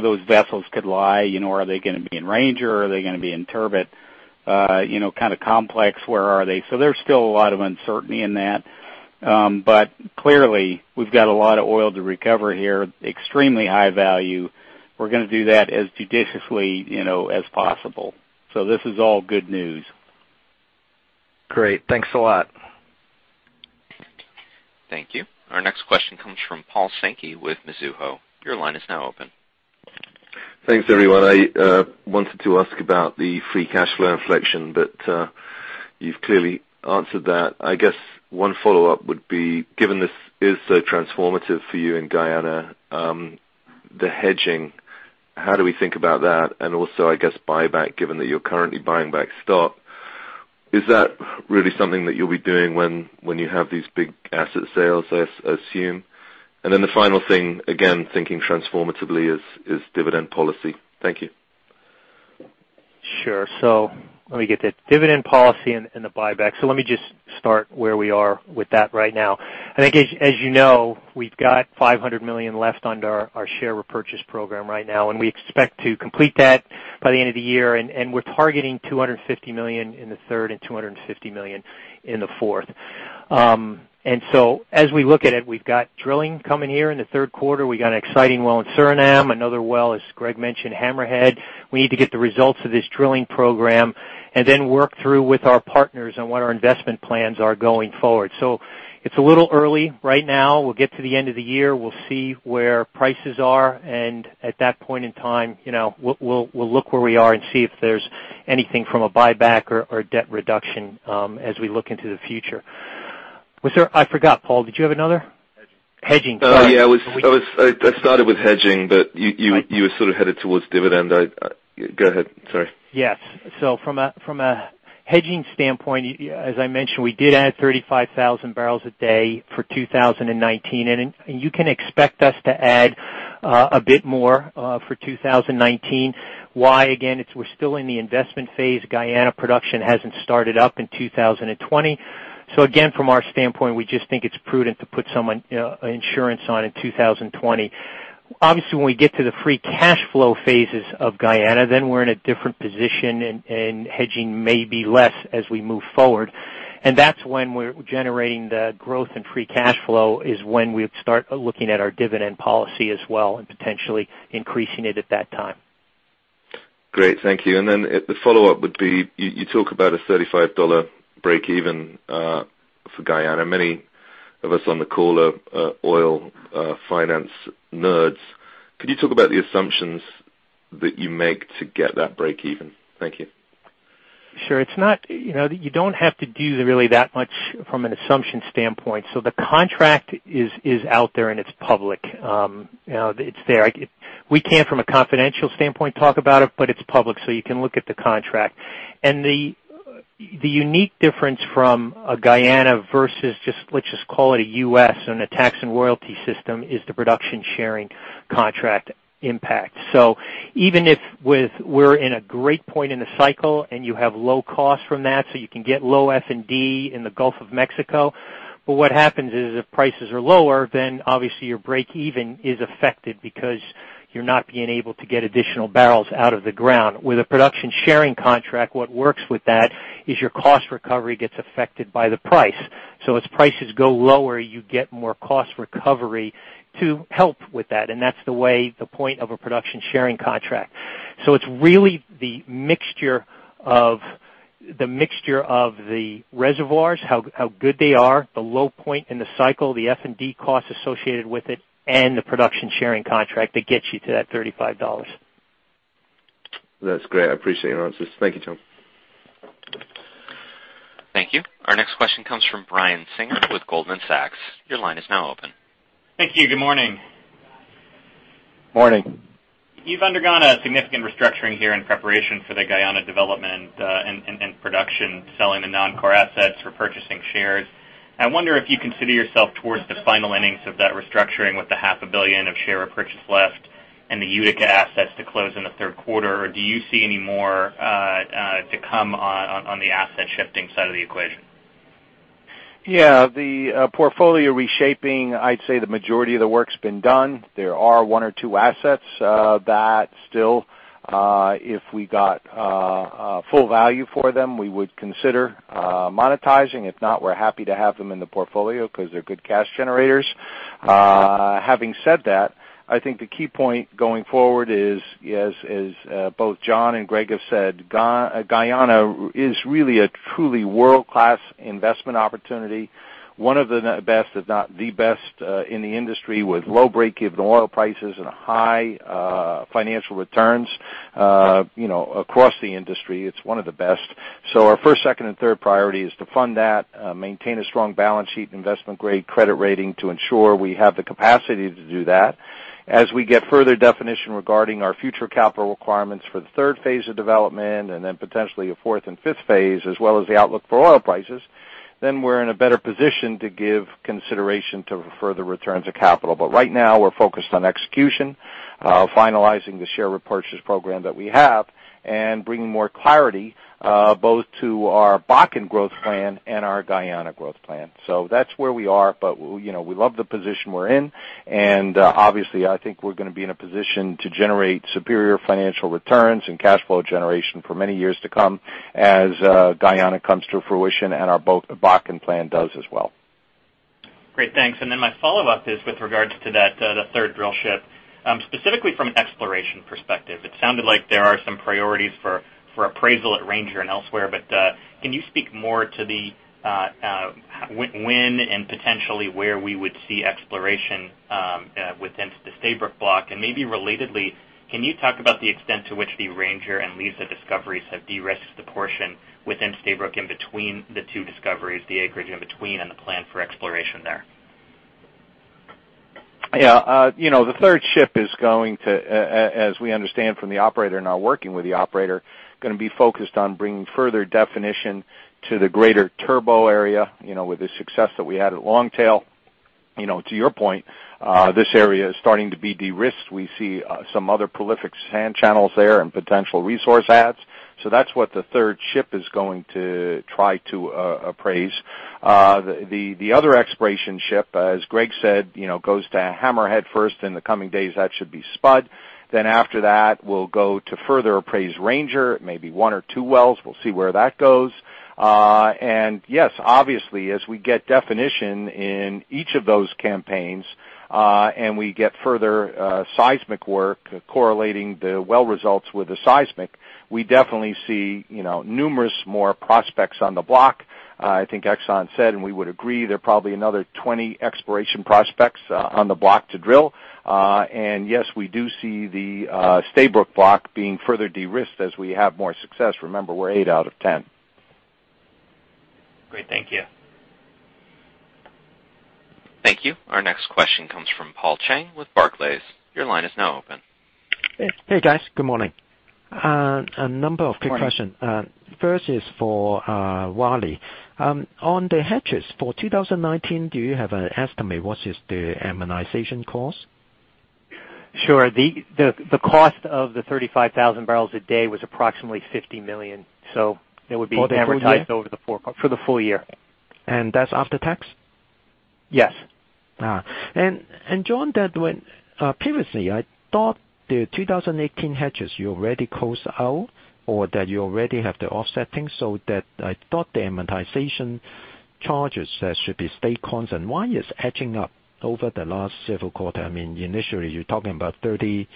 those vessels could lie. Are they going to be in Ranger or are they going to be in Turbot, kind of complex, where are they? There's still a lot of uncertainty in that. Clearly we've got a lot of oil to recover here, extremely high value. We're going to do that as judiciously as possible. This is all good news. Great. Thanks a lot. Thank you. Our next question comes from Paul Sankey with Mizuho. Your line is now open. Thanks, everyone. I wanted to ask about the free cash flow inflection, you've clearly answered that. I guess one follow-up would be, given this is so transformative for you in Guyana, the hedging, how do we think about that? Also, I guess, buyback, given that you're currently buying back stock. Is that really something that you'll be doing when you have these big asset sales, I assume? The final thing, again, thinking transformatively is dividend policy. Thank you. Let me get that. Dividend policy and the buyback. Let me just start where we are with that right now. I think as you know, we've got $500 million left under our share repurchase program right now, and we expect to complete that by the end of the year, and we're targeting $250 million in the third and $250 million in the fourth. As we look at it, we've got drilling coming here in the third quarter. We got an exciting well in Suriname, another well, as Greg mentioned, Hammerhead. We need to get the results of this drilling program and then work through with our partners on what our investment plans are going forward. It's a little early right now. We'll get to the end of the year. We'll see where prices are, and at that point in time, we'll look where we are and see if there's anything from a buyback or debt reduction as we look into the future. I forgot, Paul, did you have another? Hedging. Hedging. Sorry. Yeah. I started with hedging, but you were sort of headed towards dividend. Go ahead, sorry. Yes. From a hedging standpoint, as I mentioned, we did add 35,000 barrels a day for 2019, and you can expect us to add a bit more for 2019. Why? Again, we're still in the investment phase. Guyana production hasn't started up in 2020. Again, from our standpoint, we just think it's prudent to put some insurance on in 2020. Obviously, when we get to the free cash flow phases of Guyana, then we're in a different position, and hedging may be less as we move forward. That's when we're generating the growth in free cash flow is when we start looking at our dividend policy as well and potentially increasing it at that time. Great. Thank you. Then the follow-up would be, you talk about a $35 breakeven for Guyana. Many of us on the call are oil finance nerds. Could you talk about the assumptions that you make to get that breakeven? Thank you. Sure. You don't have to do really that much from an assumption standpoint. The contract is out there, and it's public. It's there. We can't, from a confidential standpoint, talk about it, but it's public, so you can look at the contract. The unique difference from a Guyana versus just, let's just call it a U.S. on a tax and royalty system, is the production sharing contract impact. Even if we're in a great point in the cycle and you have low cost from that, you can get low F&D in the Gulf of Mexico, but what happens is if prices are lower, then obviously your breakeven is affected because you're not being able to get additional barrels out of the ground. With a production sharing contract, what works with that is your cost recovery gets affected by the price. As prices go lower, you get more cost recovery to help with that, and that's the way the point of a production sharing contract. It's really the mixture of the reservoirs, how good they are, the low point in the cycle, the F&D costs associated with it, and the production sharing contract that gets you to that $35. That's great. I appreciate your answers. Thank you, John. Thank you. Our next question comes from Brian Singer with Goldman Sachs. Your line is now open. Thank you. Good morning. Morning. You've undergone a significant restructuring here in preparation for the Guyana development and production, selling the non-core assets, repurchasing shares. I wonder if you consider yourself towards the final innings of that restructuring with the half a billion of share repurchase left and the Utica assets to close in the third quarter, or do you see any more to come on the asset shifting side of the equation? Yeah. The portfolio reshaping, I'd say the majority of the work's been done. There are one or two assets that still, if we got full value for them, we would consider monetizing. If not, we're happy to have them in the portfolio because they're good cash generators. Having said that, I think the key point going forward is, as both John and Greg have said, Guyana is really a truly world-class investment opportunity. One of the best, if not the best in the industry with low break-even oil prices and high financial returns across the industry. It's one of the best. Our first, second, and third priority is to fund that, maintain a strong balance sheet investment grade credit rating to ensure we have the capacity to do that. As we get further definition regarding our future capital requirements for the 3rd phase of development, potentially a 4th and 5th phase, as well as the outlook for oil prices, then we're in a better position to give consideration to further returns of capital. Right now, we're focused on execution, finalizing the share repurchase program that we have, and bringing more clarity, both to our Bakken growth plan and our Guyana growth plan. That's where we are, but we love the position we're in, and obviously, I think we're going to be in a position to generate superior financial returns and cash flow generation for many years to come as Guyana comes to fruition and our both Bakken plan does as well. Great, thanks. My follow-up is with regards to that third drill ship. Specifically from an exploration perspective, it sounded like there are some priorities for appraisal at Ranger and elsewhere, but can you speak more to the when and potentially where we would see exploration within the Stabroek Block? Maybe relatedly, can you talk about the extent to which the Ranger and Liza discoveries have de-risked the portion within Stabroek in between the two discoveries, the acreage in between, and the plan for exploration there? Yeah. The third ship is going to be focused on bringing further definition to the greater Turbot area, with the success that we had at Longtail. To your point, this area is starting to be de-risked. We see some other prolific sand channels there and potential resource adds. That's what the third ship is going to try to appraise. The other exploration ship, as Greg said, goes to Hammerhead first in the coming days. That should be spud. After that, we'll go to further appraise Ranger. It may be one or two wells. We'll see where that goes. Yes, obviously, as we get definition in each of those campaigns, and we get further seismic work correlating the well results with the seismic, we definitely see numerous more prospects on the block. I think Exxon said, and we would agree, there are probably another 20 exploration prospects on the block to drill. Yes, we do see the Stabroek Block being further de-risked as we have more success. Remember, we're eight out of 10. Great. Thank you. Thank you. Our next question comes from Paul Cheng with Barclays. Your line is now open. Hey, guys. Good morning. A number of quick questions. Morning. First is for Rielly. On the hedges for 2019, do you have an estimate what is the amortization cost? Sure. The cost of the 35,000 barrels a day was approximately $50 million, so it would be amortized over the four- For the full year? For the full year. That's after tax? Yes. John, previously, I thought the 2018 hedges you already closed out, or that you already have the offsetting, so that I thought the amortization charges should be stay constant. Why is edging up over the last several quarter? Initially, you're talking about $30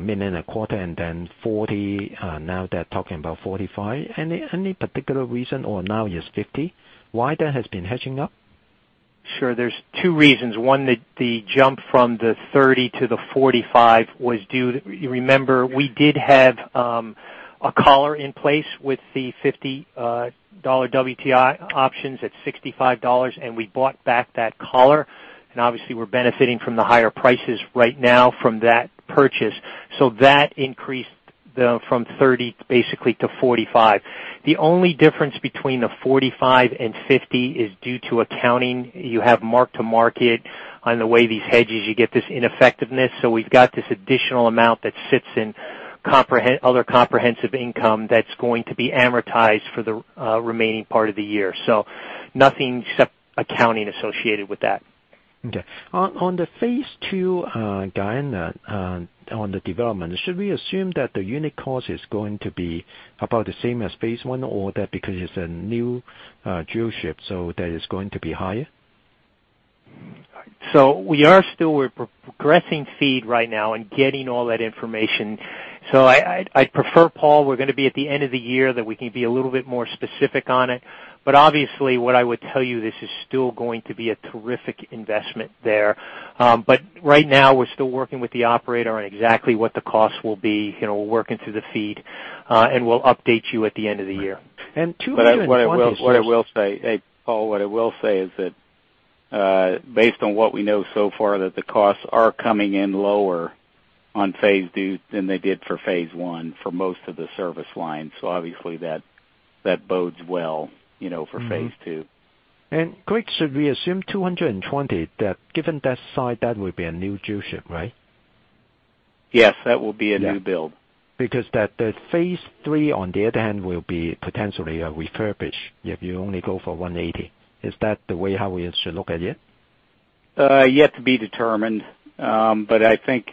million a quarter, and then $40 million. Now they're talking about $45 million. Any particular reason, or now it's $50 million, why that has been hedging up? Sure. There's two reasons. One, the jump from the $30 to the $45 was due, you remember, we did have a collar in place with the $50 WTI options at $65. We bought back that collar, and obviously, we're benefiting from the higher prices right now from that purchase. That increased from $30 million, basically, to $45 million. The only difference between the $45 million and $50 million is due to accounting. You have mark-to-market on the way these hedges, you get this ineffectiveness. We've got this additional amount that sits in other comprehensive income that's going to be amortized for the remaining part of the year. Nothing except accounting associated with that. Okay. On the phase II, Guyana, on the development, should we assume that the unit cost is going to be about the same as phase I or that because it's a new drill ship, that is going to be higher? We are still, we're progressing FEED right now and getting all that information. I'd prefer, Paul, we're going to be at the end of the year, that we can be a little bit more specific on it. Obviously, what I would tell you, this is still going to be a terrific investment there. Right now, we're still working with the operator on exactly what the cost will be. We're working through the FEED, and we'll update you at the end of the year. two- What I will say, Paul, is that based on what we know so far, that the costs are coming in lower on phase 2 than they did for phase 1 for most of the service lines. Obviously that bodes well for phase 2. Greg, should we assume 220, that given that site, that would be a new drill ship, right? Yes, that will be a new build. The phase three, on the other hand, will be potentially a refurbish if you only go for 180. Is that the way how we should look at it? Yet to be determined. I think,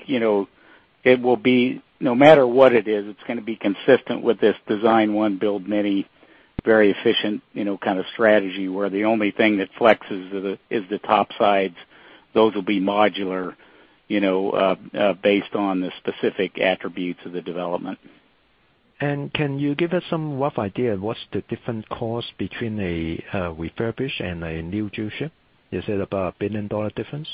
no matter what it is, it's going to be consistent with this design one, build many, very efficient kind of strategy, where the only thing that flexes is the top sides. Those will be modular based on the specific attributes of the development. Can you give us some rough idea of what's the different cost between a refurbished and a new drill ship? Is it about a billion-dollar difference?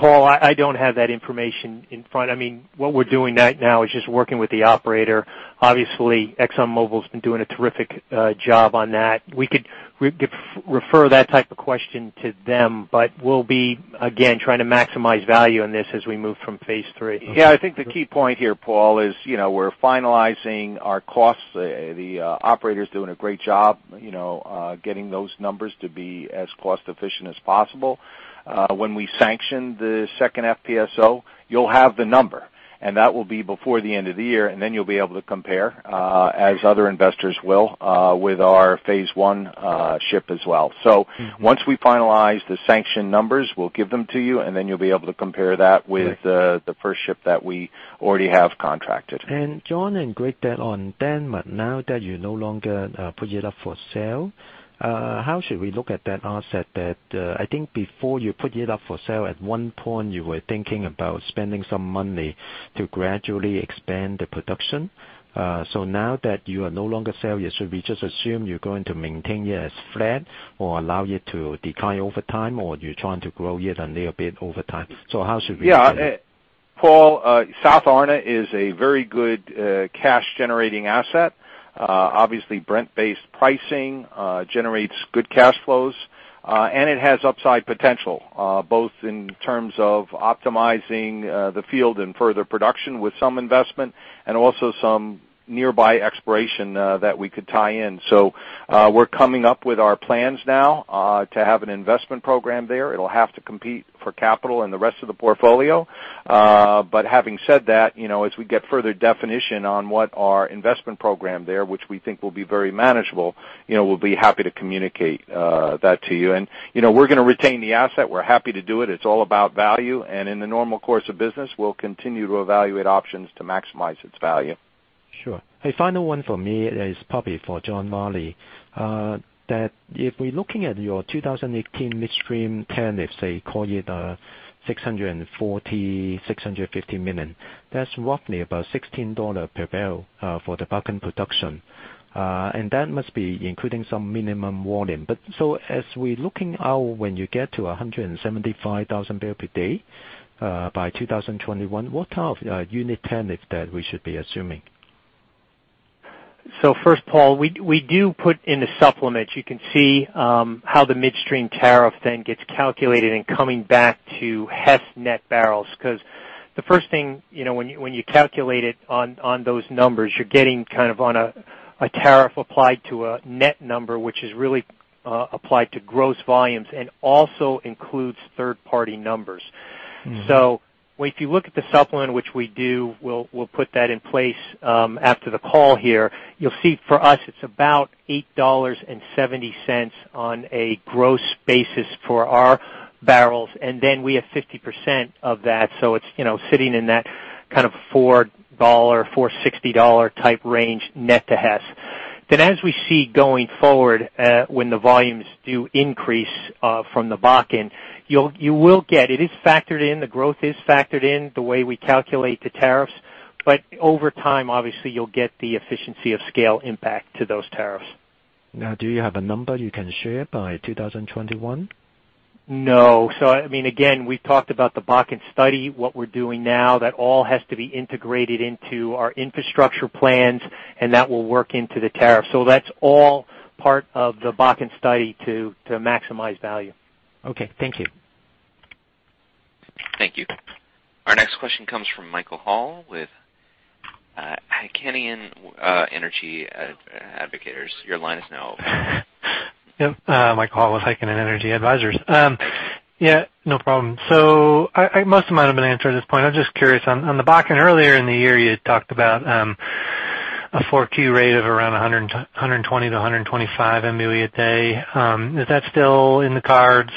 Paul, I don't have that information in front. What we're doing right now is just working with the operator. Obviously, ExxonMobil's been doing a terrific job on that. We could refer that type of question to them, but we'll be, again, trying to maximize value on this as we move from phase 3. Yeah, I think the key point here, Paul, is we're finalizing our costs. The operator's doing a great job getting those numbers to be as cost-efficient as possible. When we sanction the second FPSO, you'll have the number, and that will be before the end of the year, then you'll be able to compare, as other investors will, with our phase 1 ship as well. Once we finalize the sanction numbers, we'll give them to you, then you'll be able to compare that with the first ship that we already have contracted. John and Greg, on Denmark, now that you no longer put it up for sale, how should we look at that asset that I think before you put it up for sale, at one point, you were thinking about spending some money to gradually expand the production? Now that you are no longer selling, should we just assume you're going to maintain it as flat or allow it to decline over time, or you're trying to grow it a little bit over time? Yeah. Paul, South Arne is a very good cash-generating asset. Obviously, Brent-based pricing generates good cash flows, and it has upside potential, both in terms of optimizing the field and further production with some investment and also some nearby exploration that we could tie in. We're coming up with our plans now, to have an investment program there. It'll have to compete for capital in the rest of the portfolio. Having said that, as we get further definition on what our investment program there, which we think will be very manageable, we'll be happy to communicate that to you. We're going to retain the asset. We're happy to do it. It's all about value. In the normal course of business, we'll continue to evaluate options to maximize its value. Sure. A final one for me is probably for John Rielly. If we're looking at your 2018 midstream tariff, say, call it $640 million-$650 million. That's roughly about $16 per barrel for the Bakken production. That must be including some minimum volume. As we're looking out, when you get to 175,000 barrels per day by 2021, what kind of unit tariff that we should be assuming? First, Paul, we do put in the supplement. You can see how the midstream tariff gets calculated in coming back to Hess net barrels. The first thing, when you calculate it on those numbers, you're getting kind of on a tariff applied to a net number, which is really applied to gross volumes and also includes third-party numbers. If you look at the supplement, which we do, we'll put that in place after the call here. You'll see for us, it's about $8.70 on a gross basis for our barrels, and then we have 50% of that, so it's sitting in that kind of $4-$4.60 type range net to Hess. As we see going forward, when the volumes do increase from the Bakken, it is factored in, the growth is factored in the way we calculate the tariffs. Over time, obviously, you'll get the efficiency of scale impact to those tariffs. Do you have a number you can share by 2021? No. Again, we've talked about the Bakken study, what we're doing now, that all has to be integrated into our infrastructure plans, and that will work into the tariff. That's part of the Bakken study to maximize value. Okay, thank you. Thank you. Our next question comes from Michael Hall with Heikkinen Energy Advisors. Your line is now open. Yep. Michael Hall with Heikkinen Energy Advisors. Yeah, no problem. Most of them might have been answered at this point. I'm just curious, on the Bakken earlier in the year, you had talked about, a 4Q rate of around 120 MBOE-125 MBOE a day. Is that still in the cards?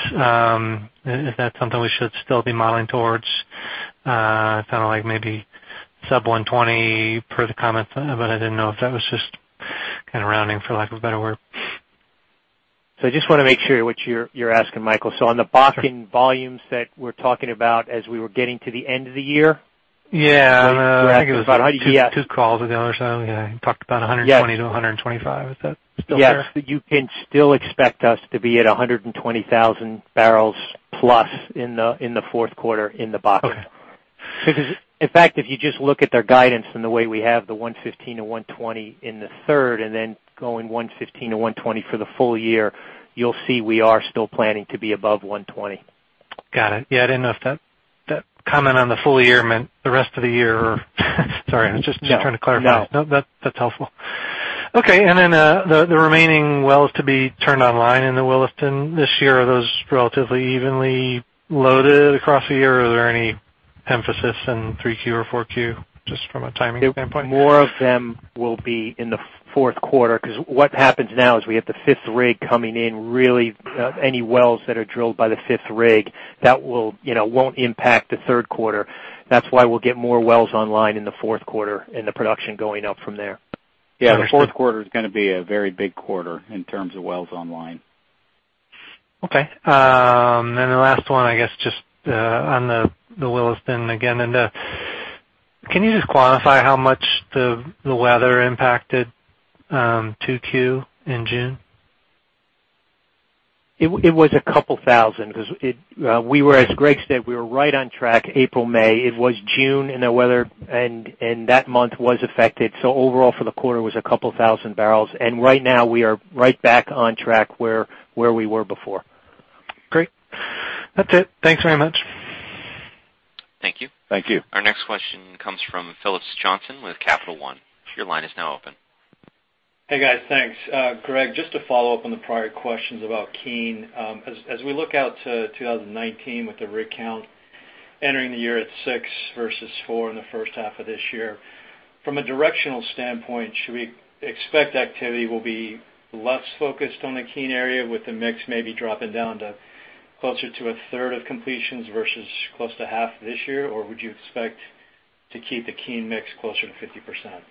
Is that something we should still be modeling towards? Sounded like maybe sub 120 per the comments, but I didn't know if that was just kind of rounding for lack of a better word. I just want to make sure what you're asking, Michael. On the Bakken volumes that we're talking about as we were getting to the end of the year? Yeah. I think it was about two calls ago or so. We talked about 120-125. Is that still there? Yes. You can still expect us to be at 120,000 barrels plus in the fourth quarter in the Bakken. Okay. In fact, if you just look at their guidance and the way we have the 115-120 in the third, going 115-120 for the full year, you'll see we are still planning to be above 120. Got it. Yeah, I didn't know if that comment on the full year meant the rest of the year or Sorry, I'm just trying to clarify. No. No, that's helpful. Okay, then the remaining wells to be turned online in the Williston this year, are those relatively evenly loaded across the year, or are there any emphasis in 3Q or 4Q, just from a timing standpoint? More of them will be in the fourth quarter, because what happens now is we have the fifth rig coming in. Really, any wells that are drilled by the fifth rig, that won't impact the third quarter. That's why we'll get more wells online in the fourth quarter and the production going up from there. Yeah, the fourth quarter's gonna be a very big quarter in terms of wells online. Okay. The last one, I guess, just on the Williston again. Can you just quantify how much the weather impacted 2Q in June? It was 2,000 because as Greg said, we were right on track April, May. It was June and the weather in that month was affected. Overall for the quarter, it was 2,000 barrels, and right now we are right back on track where we were before. Great. That's it. Thanks very much. Thank you. Thank you. Our next question comes from Phillips Johnston with Capital One. Your line is now open. Hey, guys. Thanks. Greg, just to follow up on the prior questions about Keene. As we look out to 2019 with the rig count entering the year at six versus four in the first half of this year, from a directional standpoint, should we expect activity will be less focused on the Keene area with the mix maybe dropping down to closer to a third of completions versus close to half this year, or would you expect to keep the Keene mix closer to 50%?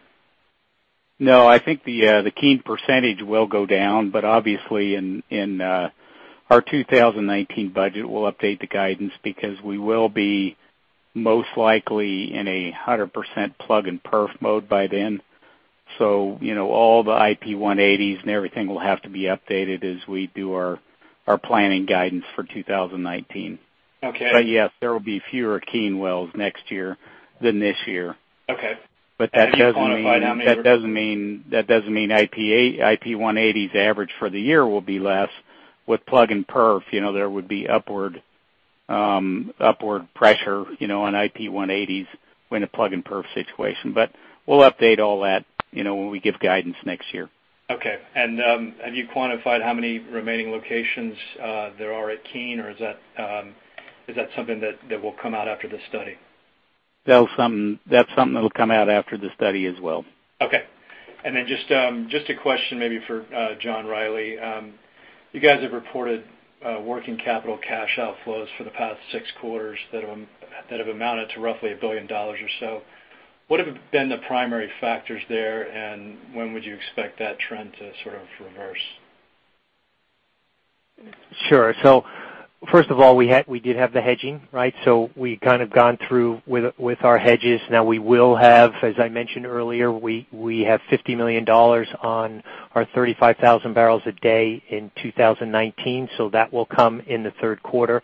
No, I think the Keene percentage will go down. Obviously in our 2019 budget, we'll update the guidance because we will be most likely in 100% plug and perf mode by then. All the IP 180s and everything will have to be updated as we do our planning guidance for 2019. Okay. Yes, there will be fewer Keene wells next year than this year. Okay. That doesn't mean IP 180's average for the year will be less. With plug and perf, there would be upward pressure on IP 180s in a plug and perf situation. We'll update all that when we give guidance next year. Okay. Have you quantified how many remaining locations there are at Keene, or is that something that will come out after the study? That's something that'll come out after the study as well. Okay. Just a question maybe for John Rielly. You guys have reported working capital cash outflows for the past six quarters that have amounted to roughly a billion dollars or so. What have been the primary factors there, and when would you expect that trend to sort of reverse? Sure. First of all, we did have the hedging, right? We've gone through with our hedges now. We will have, as I mentioned earlier, we have $50 million on our 35,000 barrels a day in 2019. That will come in the third quarter.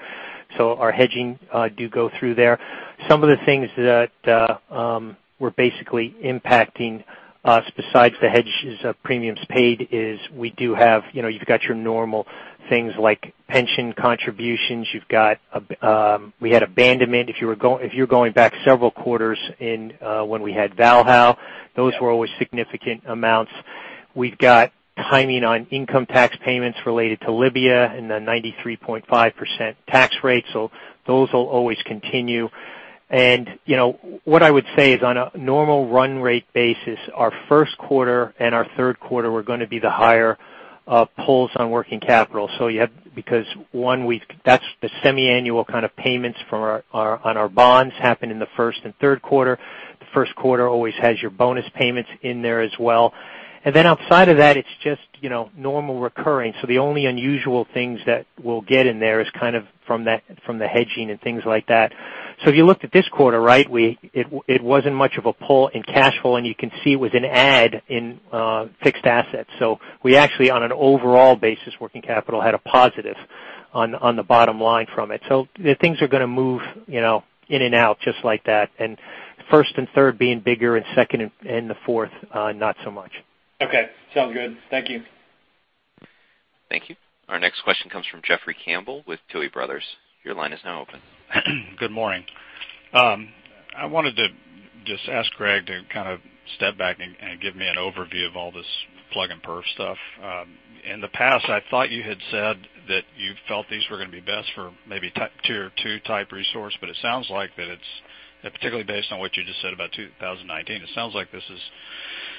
Our hedging do go through there. Some of the things that were basically impacting us besides the hedges of premiums paid is you've got your normal things like pension contributions. We had abandonment. If you're going back several quarters in when we had Valhall, those were always significant amounts. We've got timing on income tax payments related to Libya and the 93.5% tax rate. Those will always continue. What I would say is on a normal run rate basis, our first quarter and our third quarter were going to be the higher pulls on working capital. Because that's the semi-annual payments on our bonds happen in the first and third quarter. The first quarter always has your bonus payments in there as well. Outside of that, it's just normal recurring. The only unusual things that we'll get in there is from the hedging and things like that. If you looked at this quarter, it wasn't much of a pull in cash flow, and you can see it was an add in fixed assets. We actually, on an overall basis, working capital had a positive On the bottom line from it. Things are going to move in and out just like that, and first and third being bigger, and second and the fourth, not so much. Okay, sounds good. Thank you. Thank you. Our next question comes from Jeffrey Campbell with Tuohy Brothers. Your line is now open. Good morning. I wanted to just ask Greg to step back and give me an overview of all this plug and perf stuff. In the past, I thought you had said that you felt these were going to be best for maybe type tier 2 type resource, but it sounds like that it's, particularly based on what you just said about 2019, it sounds like this is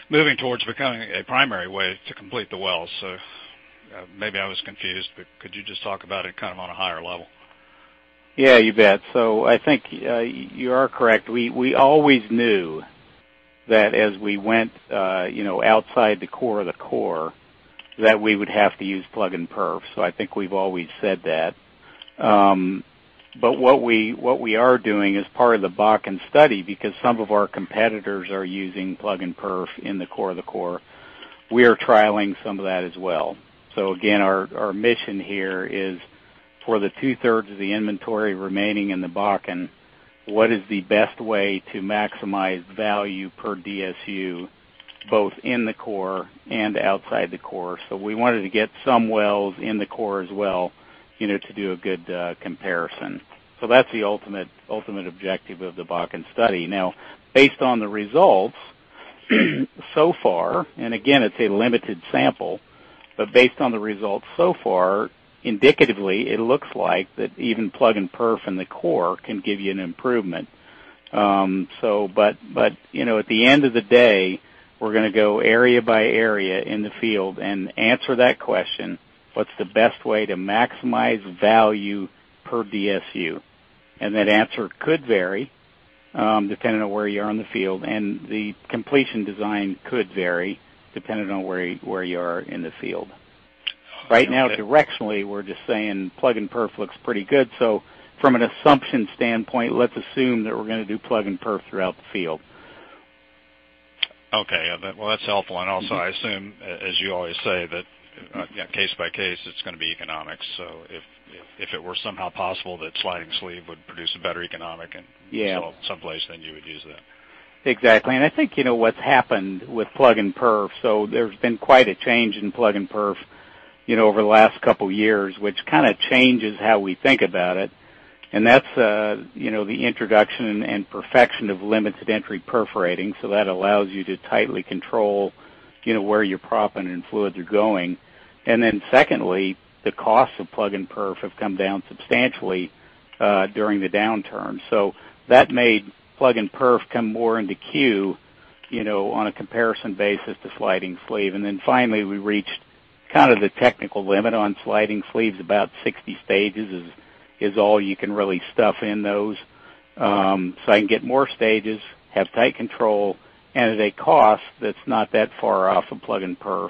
moving towards becoming a primary way to complete the well. Maybe I was confused, but could you just talk about it on a higher level? Yeah, you bet. I think you are correct. We always knew that as we went outside the core of the core, that we would have to use plug and perf. I think we've always said that. But what we are doing as part of the Bakken study, because some of our competitors are using plug and perf in the core of the core, we are trialing some of that as well. Again, our mission here is for the two-thirds of the inventory remaining in the Bakken, what is the best way to maximize value per DSU, both in the core and outside the core? We wanted to get some wells in the core as well to do a good comparison. That's the ultimate objective of the Bakken study. Based on the results, so far, and again, it's a limited sample, based on the results so far, indicatively, it looks like that even plug and perf in the core can give you an improvement. At the end of the day, we're going to go area by area in the field and answer that question, what's the best way to maximize value per DSU? That answer could vary depending on where you are in the field, and the completion design could vary depending on where you are in the field. Right now, directionally, we're just saying plug and perf looks pretty good. From an assumption standpoint, let's assume that we're going to do plug and perf throughout the field. Well, that's helpful. Also, I assume, as you always say that case by case, it's going to be economics. If it were somehow possible that sliding sleeve would produce a better economic in- Yeah someplace, you would use that. Exactly. I think what's happened with plug and perf, there's been quite a change in plug and perf over the last couple of years, which changes how we think about it. That's the introduction and perfection of limited entry perforating. That allows you to tightly control where your proppant and fluids are going. Secondly, the cost of plug and perf have come down substantially during the downturn. That made plug and perf come more into queue on a comparison basis to sliding sleeve. Finally, we reached the technical limit on sliding sleeves. About 60 stages is all you can really stuff in those. I can get more stages, have tight control, and at a cost that's not that far off from plug and perf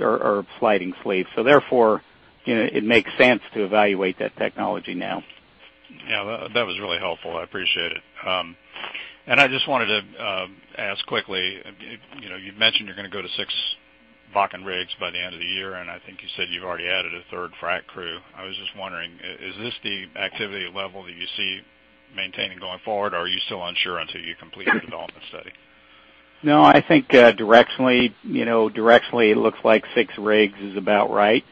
or sliding sleeve. Therefore, it makes sense to evaluate that technology now. Yeah, that was really helpful. I appreciate it. I just wanted to ask quickly, you mentioned you're going to go to 6 Bakken rigs by the end of the year, and I think you said you've already added a third frac crew. I was just wondering, is this the activity level that you see maintaining going forward, or are you still unsure until you complete your development study? No, I think directionally, it looks like 6 rigs is about right.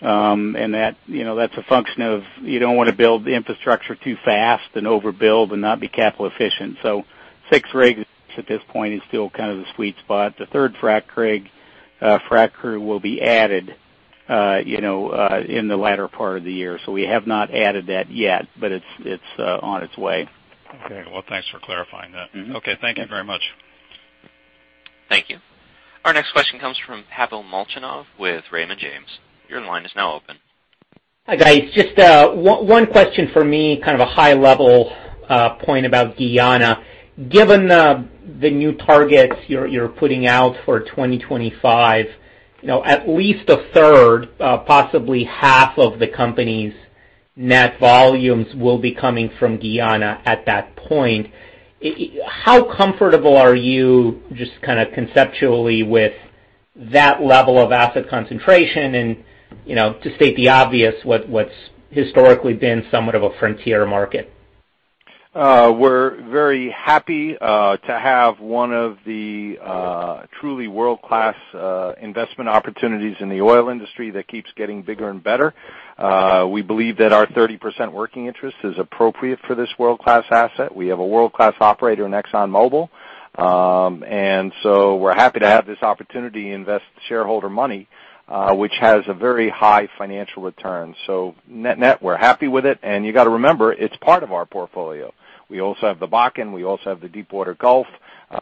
That's a function of you don't want to build the infrastructure too fast and overbuild and not be capital efficient. Six rigs at this point is still the sweet spot. The third frac crew will be added in the latter part of the year. We have not added that yet, but it's on its way. Okay. Well, thanks for clarifying that. Okay. Thank you very much. Thank you. Our next question comes from Pavel Molchanov with Raymond James. Your line is now open. Hi, guys. Just one question for me, a high level point about Guyana. Given the new targets you're putting out for 2025, at least a third, possibly half of the company's net volumes will be coming from Guyana at that point. How comfortable are you just conceptually with that level of asset concentration and, to state the obvious, what's historically been somewhat of a frontier market? We're very happy to have one of the truly world-class investment opportunities in the oil industry that keeps getting bigger and better. We believe that our 30% working interest is appropriate for this world-class asset. We have a world-class operator in ExxonMobil. We're happy to have this opportunity to invest shareholder money, which has a very high financial return. Net-net, we're happy with it. You got to remember, it's part of our portfolio. We also have the Bakken, we also have the Deepwater Gulf,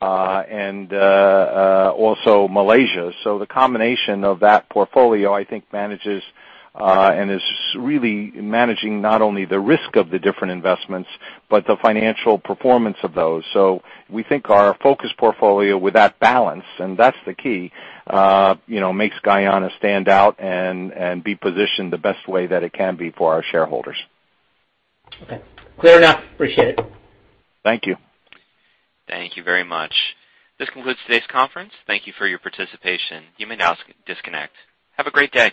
and also Malaysia. The combination of that portfolio, I think, manages and is really managing not only the risk of the different investments, but the financial performance of those. We think our focus portfolio with that balance, and that's the key, makes Guyana stand out and be positioned the best way that it can be for our shareholders. Okay. Clear enough. Appreciate it. Thank you. Thank you very much. This concludes today's conference. Thank you for your participation. You may now disconnect. Have a great day.